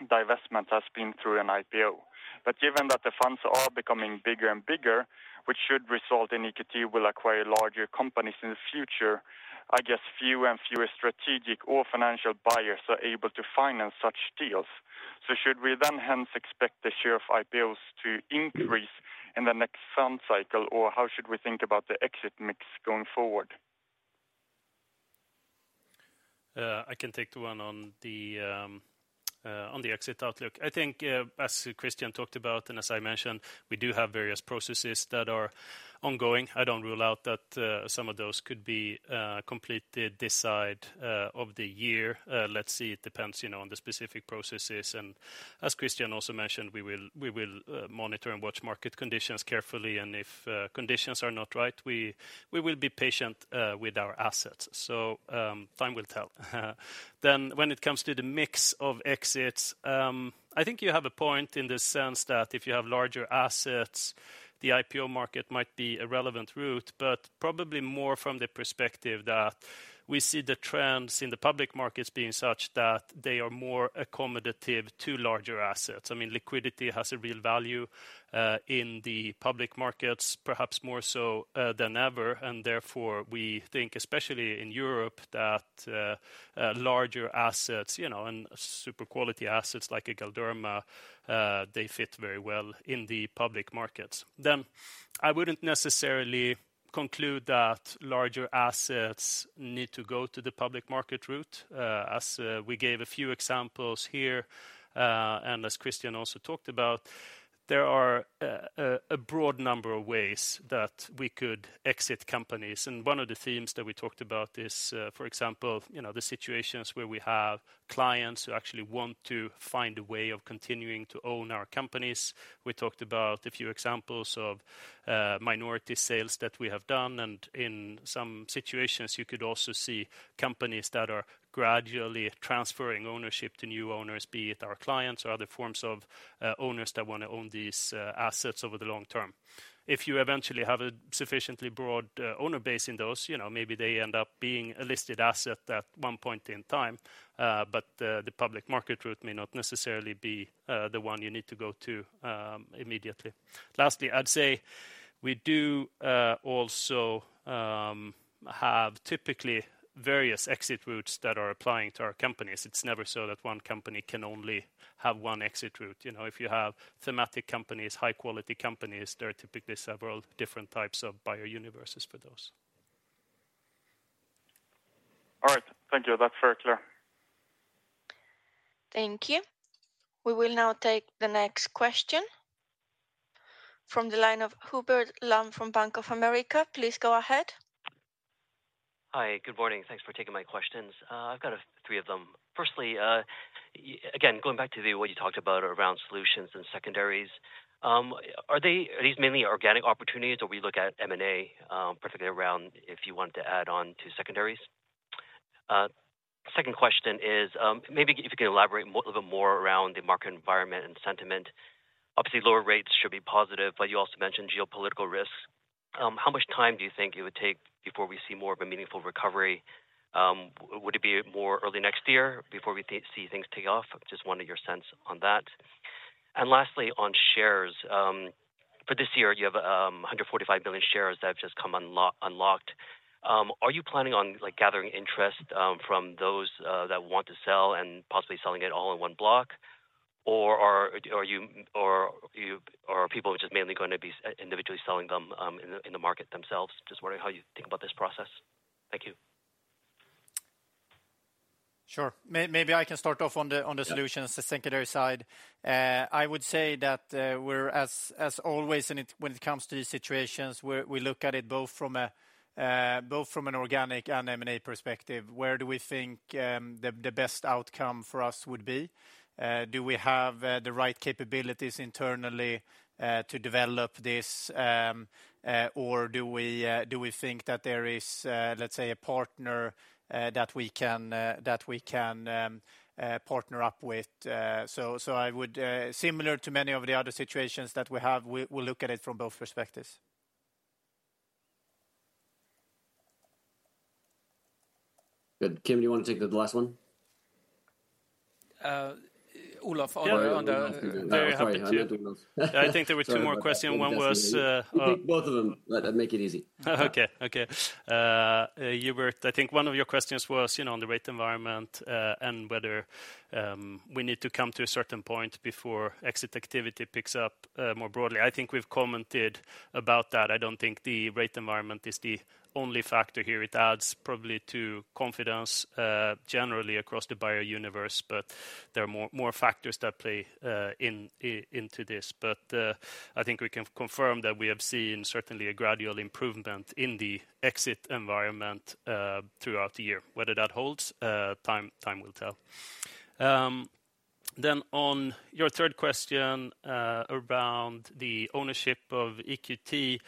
divestment has been through an IPO. But given that the funds are becoming bigger and bigger, which should result in EQT will acquire larger companies in the future, I guess fewer and fewer strategic or financial buyers are able to finance such deals. So should we then hence expect the share of IPOs to increase in the next fund cycle, or how should we think about the exit mix going forward? I can take the one on the exit outlook. I think, as Christian talked about and as I mentioned, we do have various processes that are ongoing. I don't rule out that some of those could be completed this side of the year. Let's see, it depends, you know, on the specific processes. As Christian also mentioned, we will monitor and watch market conditions carefully, and if conditions are not right, we will be patient with our assets. Time will tell. Then when it comes to the mix of exits, I think you have a point in the sense that if you have larger assets, the IPO market might be a relevant route, but probably more from the perspective that we see the trends in the public markets being such that they are more accommodative to larger assets. I mean, liquidity has a real value, in the public markets, perhaps more so, than ever, and therefore, we think, especially in Europe, that, larger assets, you know, and super quality assets like a Galderma, they fit very well in the public markets. Then, I wouldn't necessarily conclude that larger assets need to go to the public market route. As we gave a few examples here, and as Christian also talked about, there are a broad number of ways that we could exit companies. And one of the themes that we talked about is, for example, you know, the situations where we have clients who actually want to find a way of continuing to own our companies. We talked about a few examples of minority sales that we have done, and in some situations, you could also see companies that are gradually transferring ownership to new owners, be it our clients or other forms of owners that want to own these assets over the long term. If you eventually have a sufficiently broad, owner base in those, you know, maybe they end up being a listed asset at one point in time, but, the public market route may not necessarily be, the one you need to go to, immediately. Lastly, I'd say we do also have typically various exit routes that are applying to our companies. It's never so that one company can only have one exit route. You know, if you have thematic companies, high quality companies, there are typically several different types of buyer universes for those. All right. Thank you. That's very clear. Thank you. We will now take the next question from the line of Hubert Lam from Bank of America. Please go ahead. Hi, good morning. Thanks for taking my questions. I've got three of them. Firstly, again, going back to the way you talked about around solutions and secondaries, are these mainly organic opportunities, or we look at M&A, particularly around if you want to add on to secondaries? Second question is, maybe if you could elaborate more, little more around the market environment and sentiment. Obviously, lower rates should be positive, but you also mentioned geopolitical risks. How much time do you think it would take before we see more of a meaningful recovery? Would it be more early next year before we see things take off? Just wanted your sense on that. And lastly, on shares, for this year, you have 145 million shares that have just come unlocked. Are you planning on, like, gathering interest from those that want to sell and possibly selling it all in one block? Or are you, or are people just mainly going to be individually selling them in the market themselves? Just wondering how you think about this process. Thank you. Sure. Maybe I can start off on the solutions, the secondary side. I would say that, we're as always, and when it comes to these situations, we look at it both from a, both from an organic and M&A perspective. Where do we think, the best outcome for us would be? Do we have, the right capabilities internally, to develop this? Or do we, do we think that there is, let's say, a partner, that we can, that we can, partner up with? So, so I would, similar to many of the other situations that we have, we, we look at it from both perspectives. Good. Kim, do you want to take the last one? Olof, on the Yeah. I'm sorry, I did those. I think there were two more questions. One was, Take both of them, make it easy. Okay, okay. Hubert, I think one of your questions was, you know, on the rate environment, and whether we need to come to a certain point before exit activity picks up, more broadly. I think we've commented about that. I don't think the rate environment is the only factor here. It adds probably to confidence, generally across the buyer universe, but there are more factors that play into this. But I think we can confirm that we have seen certainly a gradual improvement in the exit environment, throughout the year. Whether that holds, time will tell. Then on your third question, around the ownership of EQT,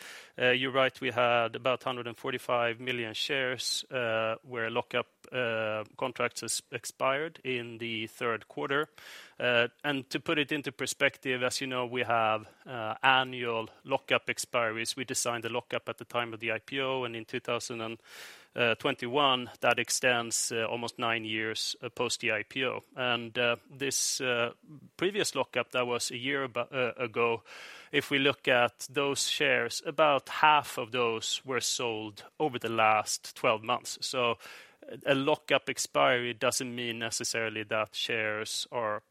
you're right, we had about 145 million shares, where lockup contracts expired in the third quarter. To put it into perspective, as you know, we have annual lockup expiries. We designed the lockup at the time of the IPO, and in 2021, that extends almost nine years post the IPO. This previous lockup, that was a year ago, if we look at those shares, about half of those were sold over the last 12 months. A lockup expiry doesn't mean necessarily that shares are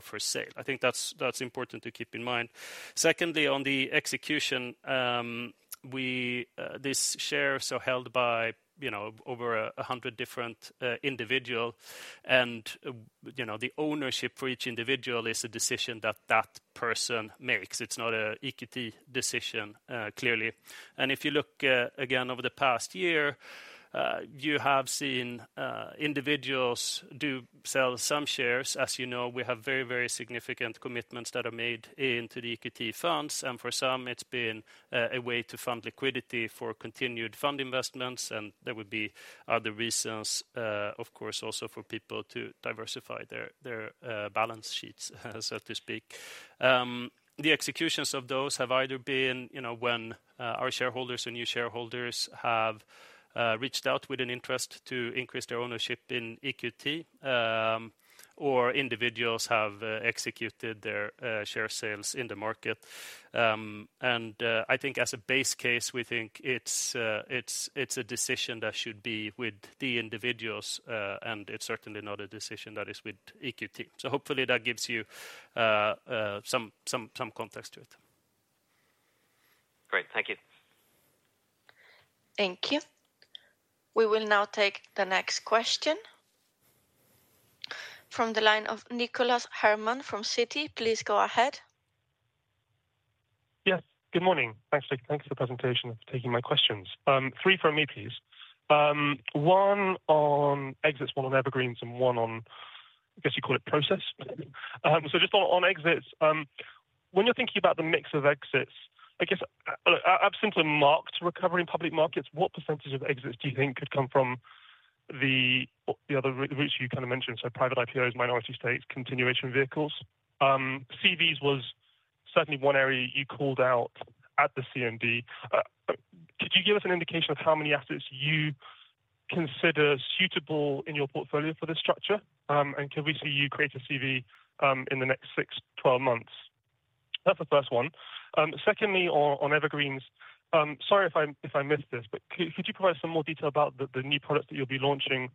for sale. I think that's important to keep in mind. Secondly, on the execution, these shares are held by, you know, over 100 different individual. You know, the ownership for each individual is a decision that that person makes. It's not a EQT decision, clearly. If you look again over the past year, you have seen individuals do sell some shares. As you know, we have very, very significant commitments that are made into the EQT funds, and for some it's been a way to fund liquidity for continued fund investments, and there would be other reasons, of course, also for people to diversify their balance sheets, so to speak. The executions of those have either been, you know, when our shareholders or new shareholders have reached out with an interest to increase their ownership in EQT, or individuals have executed their share sales in the market. I think as a base case, we think it's a decision that should be with the individuals, and it's certainly not a decision that is with EQT. So hopefully that gives you some context to it. Great. Thank you. Thank you. We will now take the next question. From the line of Nicholas Herman from Citi, please go ahead. Yes, good morning. Thanks, thanks for the presentation, and for taking my questions. Three from me, please. One on exits, one on Evergreens, and one on, I guess you'd call it process, so just on exits, when you're thinking about the mix of exits, I guess, absent a marked recovery in public markets, what percentage of exits do you think could come from the other routes you kind of mentioned, so private IPOs, minority stakes, continuation vehicles? CVs was certainly one area you called out at the CMD. Could you give us an indication of how many assets you consider suitable in your portfolio for this structure, and can we see you create a CV in the next six to 12 months? That's the first one. Secondly, on Evergreens, sorry if I missed this, but could you provide some more detail about the new products that you'll be launching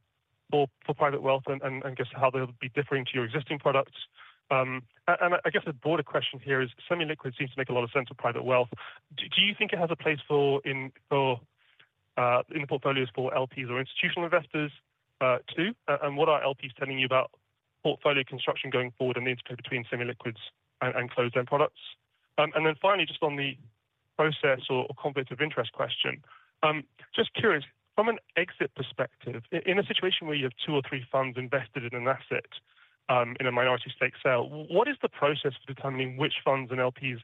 for private wealth and, I guess, how they'll be differing to your existing products? And I guess the broader question here is semi-liquid seems to make a lot of sense for private wealth. Do you think it has a place in the portfolios for LPs or institutional investors too? And what are LPs telling you about portfolio construction going forward and the interplay between semi-liquids and closed end products? And then finally, just on the process or conflict of interest question, just curious, from an exit perspective, in a situation where you have two or three funds invested in an asset... In a minority stake sale, what is the process for determining which funds and LPs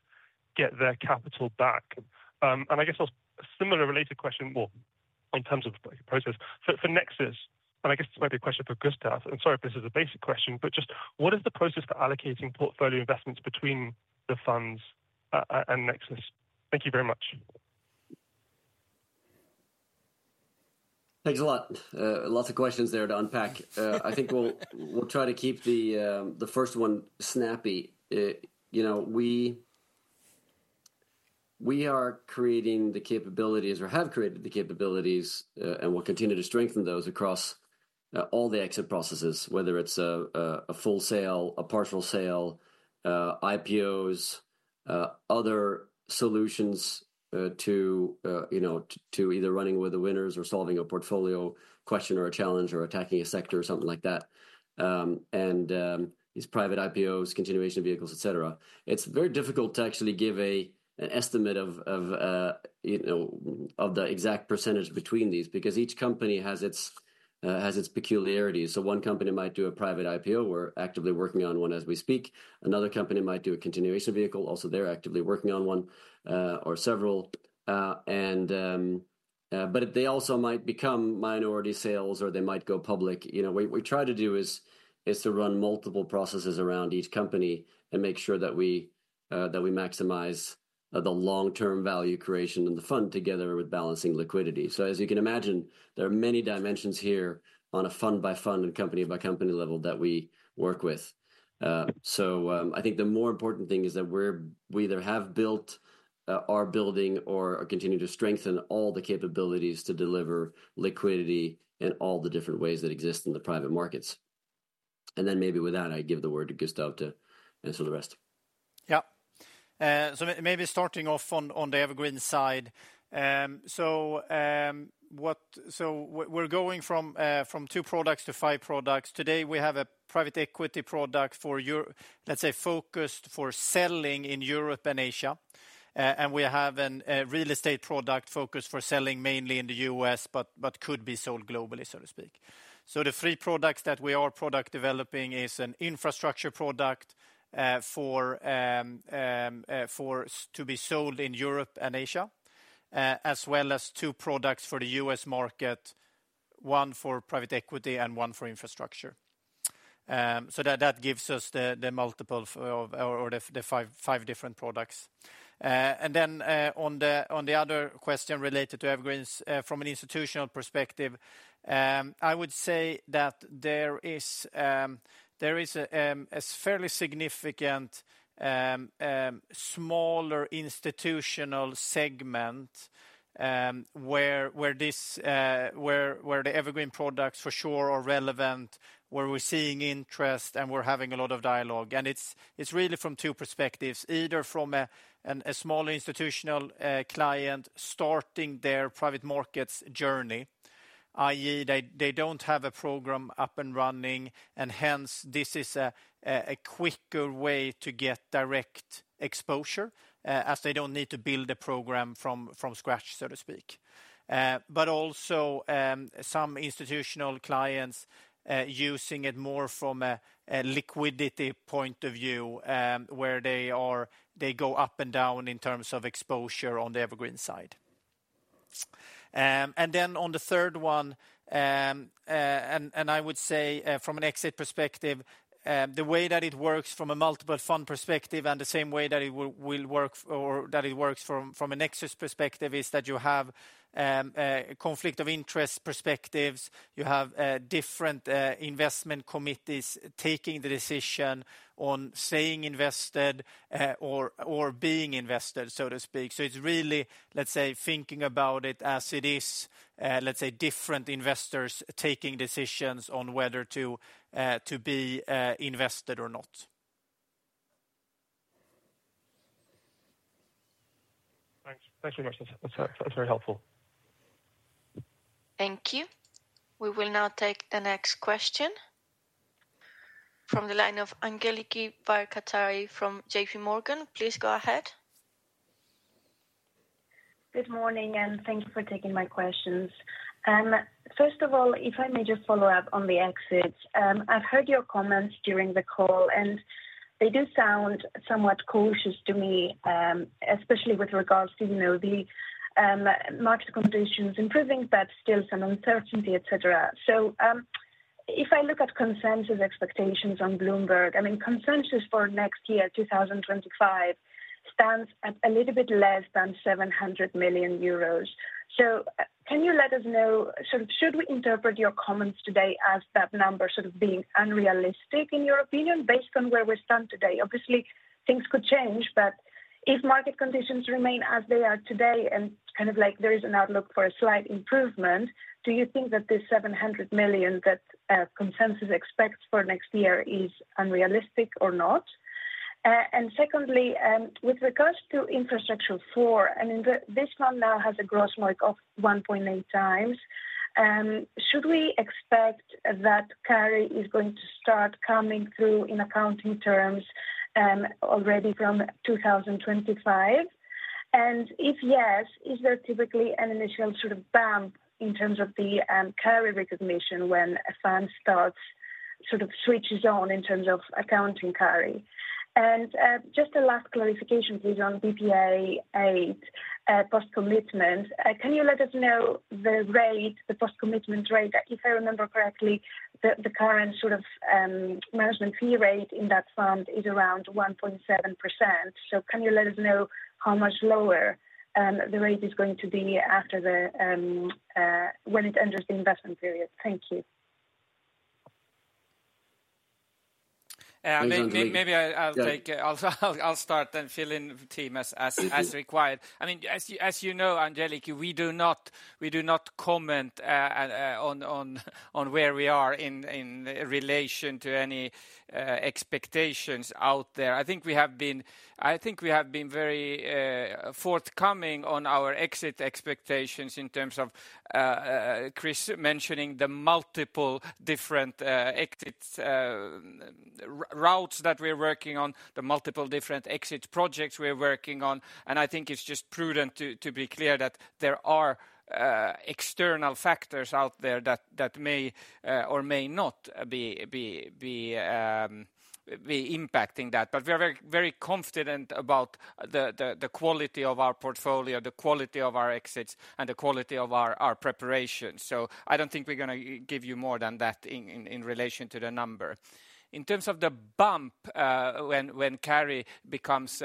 get their capital back? And I guess a similar related question, well, in terms of process. So for Nexus, and I guess this might be a question for Gustav, and sorry if this is a basic question, but just what is the process for allocating portfolio investments between the funds and Nexus? Thank you very much. Thanks a lot. Lots of questions there to unpack. I think we'll try to keep the first one snappy. You know, we are creating the capabilities or have created the capabilities, and will continue to strengthen those across all the exit processes, whether it's a full sale, a partial sale, IPOs, other solutions, to you know, to either running with the winners or solving a portfolio question, or a challenge, or attacking a sector, or something like that. And these private IPOs, continuation vehicles, et cetera. It's very difficult to actually give an estimate of the exact percentage between these, you know, because each company has its peculiarities. So one company might do a private IPO. We're actively working on one as we speak. Another company might do a continuation vehicle. Also, they're actively working on one, or several, but they also might become minority sales, or they might go public. You know, what we try to do is to run multiple processes around each company and make sure that we maximize the long-term value creation in the fund together with balancing liquidity, so as you can imagine, there are many dimensions here on a fund-by-fund and company-by-company level that we work with. I think the more important thing is that we either have built, are building or are continuing to strengthen all the capabilities to deliver liquidity in all the different ways that exist in the private markets, and then maybe with that, I give the word to Gustav to answer the rest. Yeah. So maybe starting off on the Evergreen side. So we're going from two products to five products. Today we have a private equity product for, let's say, focused for selling in Europe and Asia. And we have a real estate product focused for selling mainly in the US but could be sold globally, so to speak. So the three products that we are product developing is an infrastructure product to be sold in Europe and Asia as well as two products for the US market, one for private equity and one for infrastructure. So that gives us the five different products. And then, on the other question related to Evergreens, from an institutional perspective, I would say that there is a fairly significant smaller institutional segment, where this, where the Evergreen products for sure are relevant, where we're seeing interest, and we're having a lot of dialogue. And it's really from two perspectives, either from a small institutional client starting their private markets journey, i.e., they don't have a program up and running, and hence, this is a quicker way to get direct exposure, as they don't need to build a program from scratch, so to speak. But also, some institutional clients using it more from a liquidity point of view, where they go up and down in terms of exposure on the Evergreen side. And then on the third one, and I would say, from an exit perspective, the way that it works from a multiple fund perspective and the same way that it will work or that it works from a Nexus perspective, is that you have a conflict of interest perspectives. You have different investment committees taking the decision on staying invested or being invested, so to speak. So it's really, let's say, thinking about it as it is, let's say, different investors taking decisions on whether to be invested or not. Thanks. Thank you very much. That's, that's very helpful. Thank you. We will now take the next question from the line of Angeliki Bairaktari from JP Morgan. Please go ahead. Good morning, and thank you for taking my questions. First of all, if I may just follow up on the exits, I've heard your comments during the call, and they do sound somewhat cautious to me, especially with regards to, you know, the market conditions improving, but still some uncertainty, et cetera. So, if I look at consensus expectations on Bloomberg, I mean, consensus for next year, two thousand and twenty-five, stands at a little bit less than 700 million euros. So, can you let us know, sort of should we interpret your comments today as that number sort of being unrealistic, in your opinion, based on where we stand today? Obviously, things could change, but if market conditions remain as they are today and kind of like there is an outlook for a slight improvement, do you think that this seven hundred million that consensus expects for next year is unrealistic or not? And secondly, with regards to Infrastructure IV, I mean, the, this one now has a gross MOIC of one point eight times. Should we expect that carry is going to start coming through in accounting terms already from two thousand and twenty-five? And if yes, is there typically an initial sort of bump in terms of the carry recognition when a fund starts, sort of switches on in terms of accounting carry? And just a last clarification, please, on BPEA Eight post-commitment. Can you let us know the rate, the post-commitment rate? If I remember correctly, the current sort of management fee rate in that fund is around 1.7%. So can you let us know how much lower the rate is going to be after the when it enters the investment period? Thank you. Maybe I'll take it. I'll start then fill in the team as required. I mean, as you know, Angeliki, we do not comment on where we are in relation to any expectations out there. I think we have been very forthcoming on our exit expectations in terms of Chris mentioning the multiple different exit routes that we're working on, the multiple different exit projects we're working on. I think it's just prudent to be clear that there are external factors out there that may or may not be impacting that. But we are very, very confident about the quality of our portfolio, the quality of our exits, and the quality of our preparation. So I don't think we're gonna give you more than that in relation to the number. In terms of the bump, when carry becomes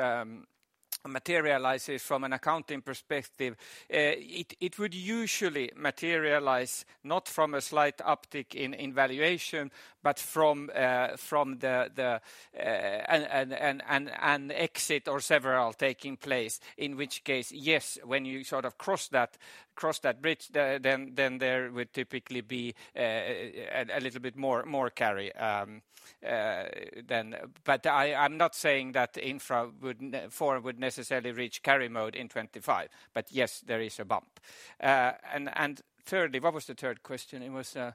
materializes from an accounting perspective, it would usually materialize not from a slight uptick in valuation, but from an exit or several taking place. In which case, yes, when you sort of cross that bridge, then there would typically be a little bit more carry than. But I'm not saying that Infra four would necessarily reach carry mode in 2025, but yes, there is a bump. Thirdly, what was the third question? It was on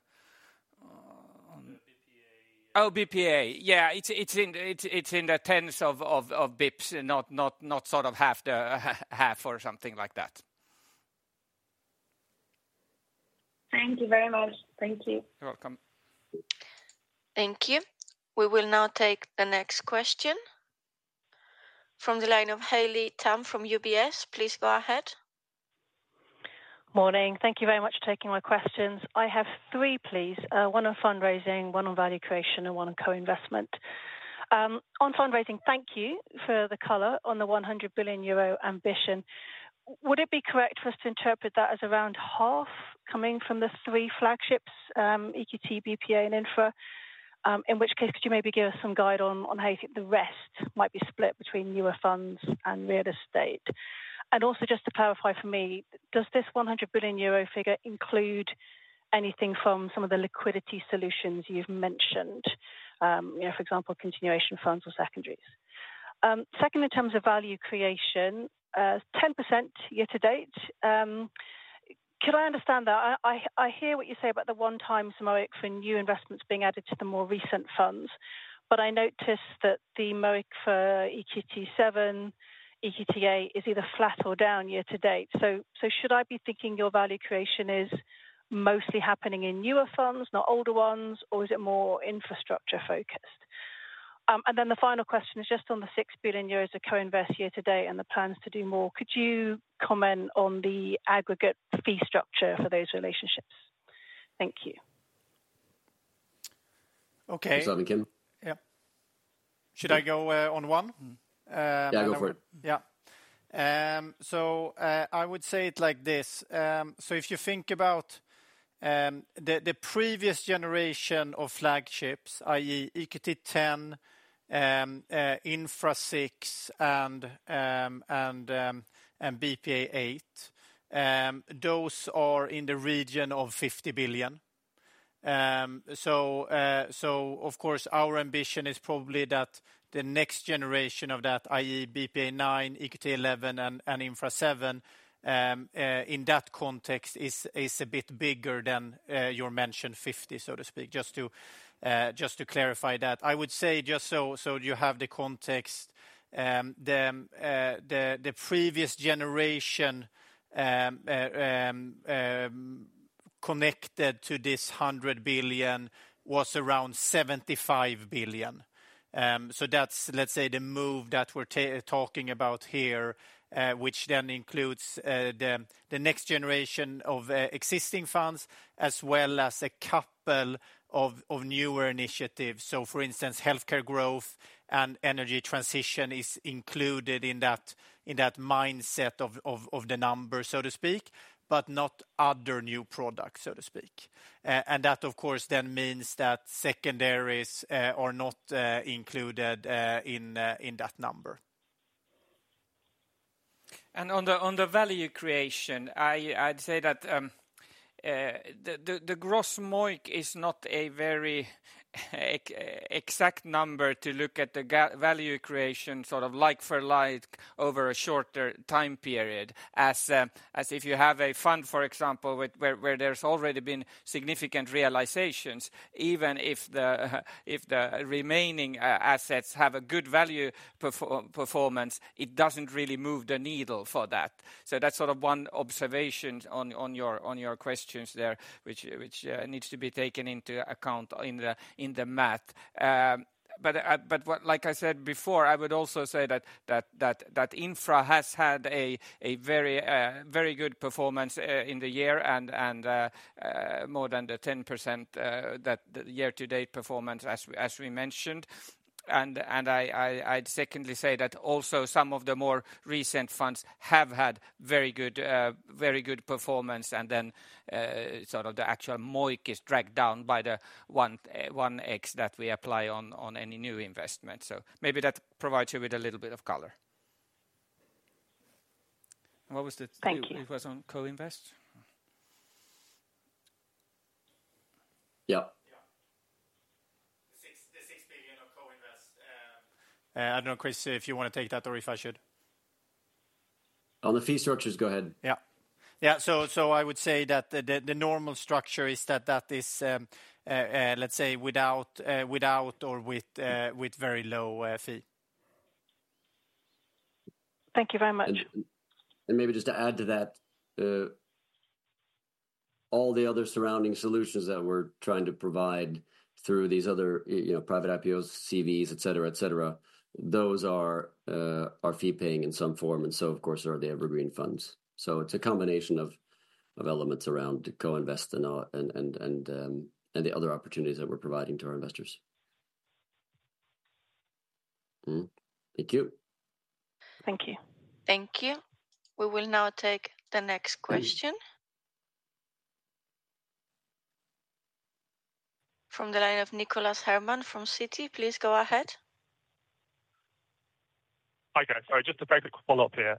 BPEA. Oh, BPEA. Yeah, it's in the tens of basis points, not sort of half or something like that. Thank you very much. Thank you. You're welcome. Thank you. We will now take the next question. From the line of Haley Tam from UBS. Please go ahead. Morning. Thank you very much for taking my questions. I have three, please. One on fundraising, one on value creation, and one on co-investment. On fundraising, thank you for the color on the 100 billion euro ambition. Would it be correct for us to interpret that as around half coming from the three flagships, EQT, BPEA, and Infra? In which case, could you maybe give us some guide on how you think the rest might be split between newer funds and real estate? And also, just to clarify for me, does this 100 billion euro figure include anything from some of the liquidity solutions you've mentioned, you know, for example, continuation funds or secondaries? Second, in terms of value creation, 10% year to date, could I understand that? I hear what you say about the one-time MOIC for new investments being added to the more recent funds, but I noticed that the MOIC for EQT seven, EQT eight is either flat or down year to date. So should I be thinking your value creation is mostly happening in newer funds, not older ones, or is it more infrastructure focused? And then the final question is just on the 6 billion euros of co-invest year to date and the plans to do more. Could you comment on the aggregate fee structure for those relationships? Thank you. Okay. Yeah. Should I go on one? Yeah, go for it. Yeah. So, I would say it like this. So if you think about the previous generation of flagships, i.e., EQT 10, Infra VI, and BPEA 8, those are in the region of 50 billion. So of course, our ambition is probably that the next generation of that, i.e., BPEA 9, EQT 11 and Infra 7, in that context is a bit bigger than your mentioned fifty, so to speak, just to clarify that. I would say, just so you have the context, the previous generation connected to this 100 billion was around 75 billion. So that's, let's say, the move that we're talking about here, which then includes the next generation of existing funds, as well as a couple of newer initiatives. So for instance, healthcare growth and energy transition is included in that mindset of the number, so to speak, but not other new products, so to speak. And that, of course, then means that secondaries are not included in that number. And on the value creation, I'd say that the gross MOIC is not a very exact number to look at the value creation, sort of like for like, over a shorter time period. As if you have a fund, for example, where there's already been significant realizations, even if the remaining assets have a good value performance, it doesn't really move the needle for that. So that's sort of one observation on your questions there, which needs to be taken into account in the math. But what, like I said before, I would also say that infra has had a very good performance in the year and more than the 10% that the year-to-date performance, as we mentioned. I'd secondly say that also some of the more recent funds have had very good, very good performance, and then sort of the actual MOIC is dragged down by the one X that we apply on any new investment. So maybe that provides you with a little bit of color. What was the Thank you. It was on co-invest? Yeah. Yeah. The $6 billion of co-invest. I don't know, Chris, if you want to take that or if I should. On the fee structures, go ahead. Yeah. Yeah, so I would say that the normal structure is that is, let's say, without or with very low fee. Thank you very much. And maybe just to add to that, all the other surrounding solutions that we're trying to provide through these other, you know, private IPOs, CVs, et cetera, et cetera, those are fee-paying in some form, and so, of course, are the evergreen funds. So it's a combination of elements around co-invest and the other opportunities that we're providing to our investors. Mm-hmm. Thank you. Thank you. Thank you. We will now take the next question. From the line of Nicholas Herman from Citi, please go ahead. Hi, guys. Sorry, just a quick follow-up here,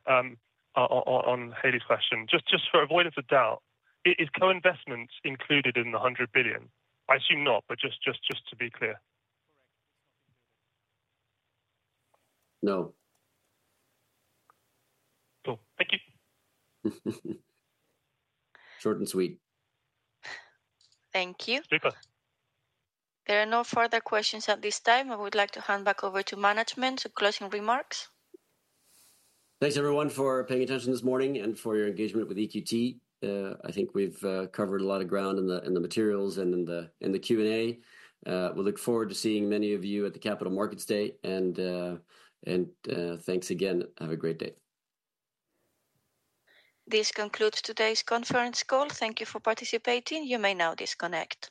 on Haley's question. Just for avoidance of doubt, is co-investment included in the hundred billion? I assume not, but just to be clear. No. Cool. Thank you. Short and sweet. Thank you. Thank you. There are no further questions at this time. I would like to hand back over to management for closing remarks. Thanks, everyone, for paying attention this morning and for your engagement with EQT. I think we've covered a lot of ground in the materials and in the Q&A. We look forward to seeing many of you at the Capital Markets Day, and thanks again. Have a great day. This concludes today's conference call. Thank you for participating. You may now disconnect.